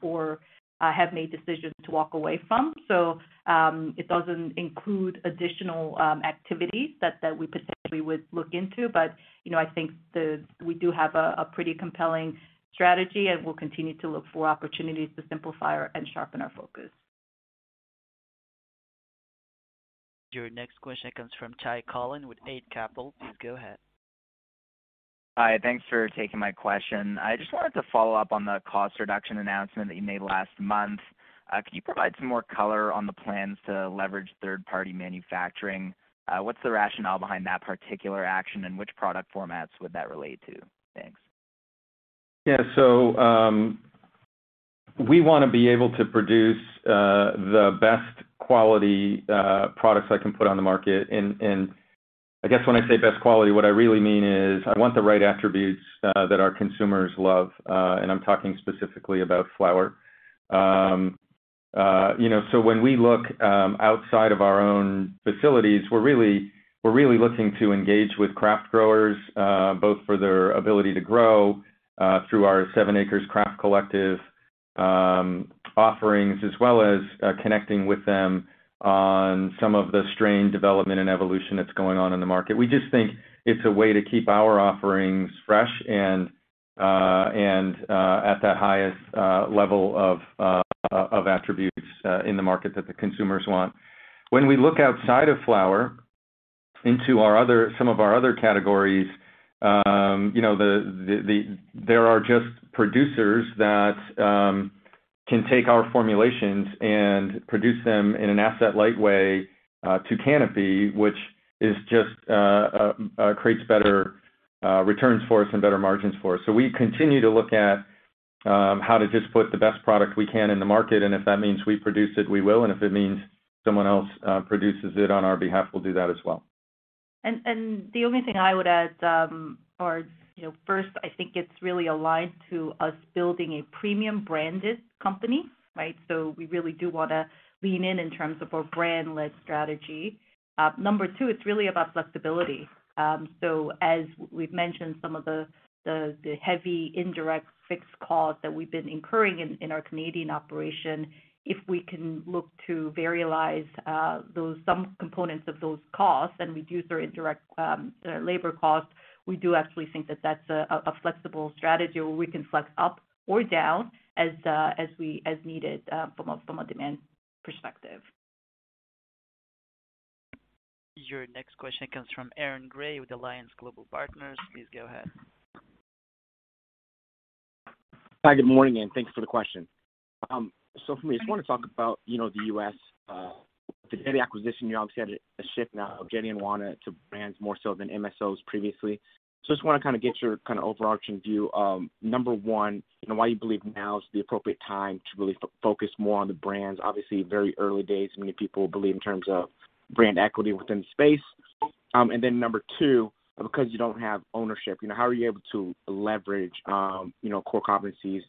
or have made decisions to walk away from. It doesn't include additional activities that we potentially would look into. You know, I think we do have a pretty compelling strategy, and we'll continue to look for opportunities to simplify our and sharpen our focus. Your next question comes from Ty Collin with Eight Capital. Please go ahead. Hi. Thanks for taking my question. I just wanted to follow up on the cost reduction announcement that you made last month. Could you provide some more color on the plans to leverage third-party manufacturing? What's the rationale behind that particular action, and which product formats would that relate to? Thanks. Yeah, we wanna be able to produce the best quality products I can put on the market. I guess when I say best quality, what I really mean is I want the right attributes that our consumers love, and I'm talking specifically about flower. You know, when we look outside of our own facilities, we're really looking to engage with craft growers both for their ability to grow through our 7ACRES Craft Collective offerings as well as connecting with them on some of the strain development and evolution that's going on in the market. We just think it's a way to keep our offerings fresh and at that highest level of attributes in the market that the consumers want. When we look outside of flower into our other, some of our other categories, you know, there are just producers that can take our formulations and produce them in an asset-light way to Canopy, which just creates better returns for us and better margins for us. We continue to look at how to just put the best product we can in the market, and if that means we produce it, we will. If it means someone else produces it on our behalf, we'll do that as well. The only thing I would add, you know, first I think it's really aligned to us building a premium branded company, right? We really do wanna lean in in terms of our brand-led strategy. Number two, it's really about flexibility. As we've mentioned some of the heavy indirect fixed costs that we've been incurring in our Canadian operation, if we can look to variabilize those, some components of those costs and reduce our indirect labor costs, we do actually think that that's a flexible strategy where we can flex up or down as we need from a demand perspective. Your next question comes from Aaron Grey with Alliance Global Partners. Please go ahead. Hi, good morning, and thanks for the question. For me, I just wanna talk about, you know, the U.S., the Jetty acquisition. You obviously had a shift now of Jetty and Wana to brands more so than MSOs previously. I just wanna kind of get your kind of overarching view. Number one, you know, why you believe now is the appropriate time to really focus more on the brands. Obviously, very early days many people believe in terms of brand equity within the space. Then number two, because you don't have ownership, you know, how are you able to leverage, you know, core competencies,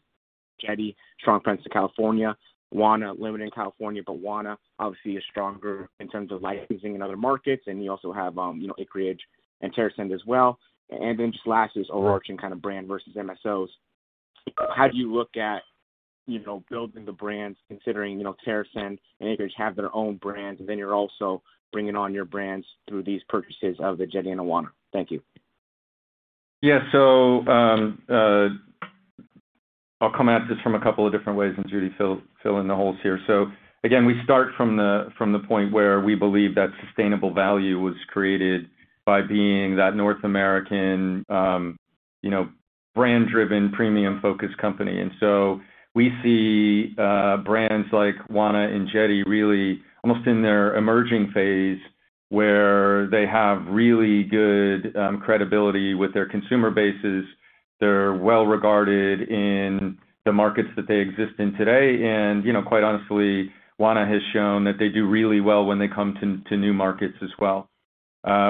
Jetty, strong presence in California. Wana, limited in California, but Wana obviously is stronger in terms of licensing in other markets, and you also have, you know, Acreage and TerrAscend as well. Just last is overarching kind of brand versus MSOs. How do you look at, you know, building the brands considering, you know, TerrAscend and Acreage have their own brands, and then you're also bringing on your brands through these purchases of the Jetty and Wana? Thank you. Yeah. I'll come at this from a couple of different ways and Judy fill in the holes here. Again, we start from the point where we believe that sustainable value was created by being that North American, you know, brand-driven, premium-focused company. We see brands like Wana and Jetty really almost in their emerging phase, where they have really good credibility with their consumer bases. They're well regarded in the markets that they exist in today. You know, quite honestly, Wana has shown that they do really well when they come to new markets as well.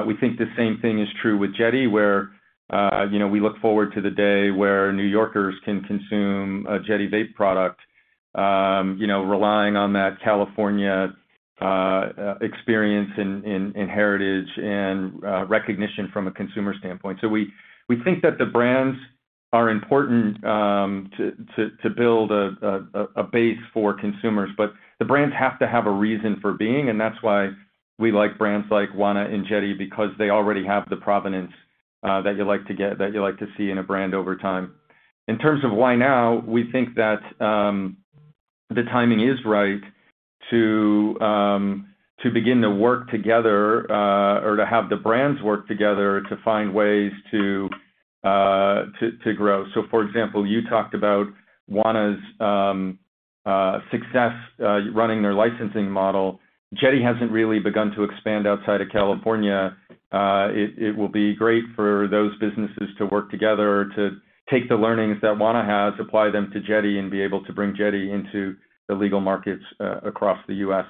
We think the same thing is true with Jetty, where you know, we look forward to the day where New Yorkers can consume a Jetty vape product, you know, relying on that California experience and heritage and recognition from a consumer standpoint. We think that the brands are important to build a base for consumers, but the brands have to have a reason for being, and that's why we like brands like Wana and Jetty because they already have the provenance that you like to see in a brand over time. In terms of why now, we think that the timing is right to begin to work together or to have the brands work together to find ways to grow. For example, you talked about Wana's success running their licensing model. Jetty hasn't really begun to expand outside of California. It will be great for those businesses to work together to take the learnings that Wana has, apply them to Jetty, and be able to bring Jetty into the legal markets across the U.S.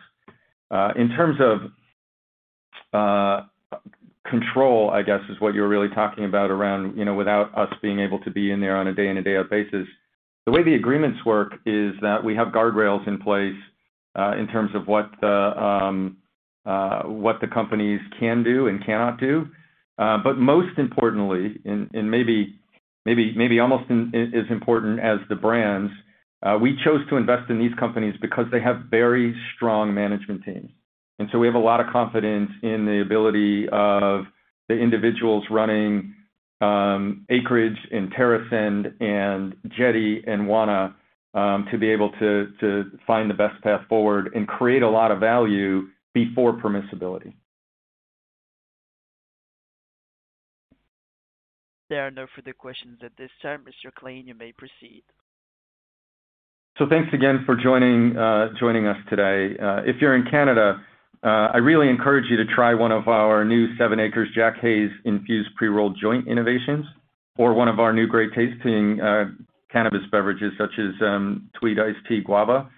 In terms of control, I guess, is what you're really talking about around, you know, without us being able to be in there on a day in and day out basis. The way the agreements work is that we have guardrails in place in terms of what the companies can do and cannot do. Most importantly, and maybe almost as important as the brands, we chose to invest in these companies because they have very strong management teams. We have a lot of confidence in the ability of the individuals running Acreage and TerrAscend and Jetty and Wana to be able to find the best path forward and create a lot of value before permissibility. There are no further questions at this time. Mr. Klein, you may proceed. Thanks again for joining us today. If you're in Canada, I really encourage you to try one of our new 7ACRES Jack Haze infused pre-rolled joint innovations or one of our new great tasting cannabis beverages such as Tweed Iced Tea Guava.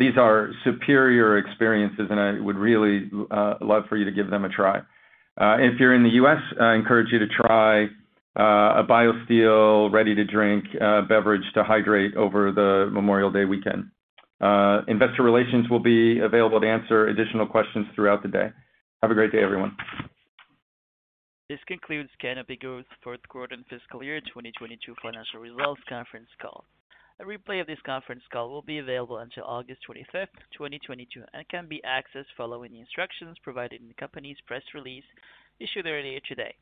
These are superior experiences, and I would really love for you to give them a try. If you're in the US, I encourage you to try a BioSteel ready-to-drink beverage to hydrate over the Memorial Day weekend. Investor relations will be available to answer additional questions throughout the day. Have a great day, everyone. This concludes Canopy Growth fourth quarter and fiscal year 2022 financial results conference call. A replay of this conference call will be available until August 25, 2022 and can be accessed following the instructions provided in the company's press release issued earlier today.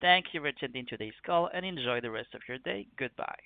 Thank you for attending today's call and enjoy the rest of your day. Goodbye.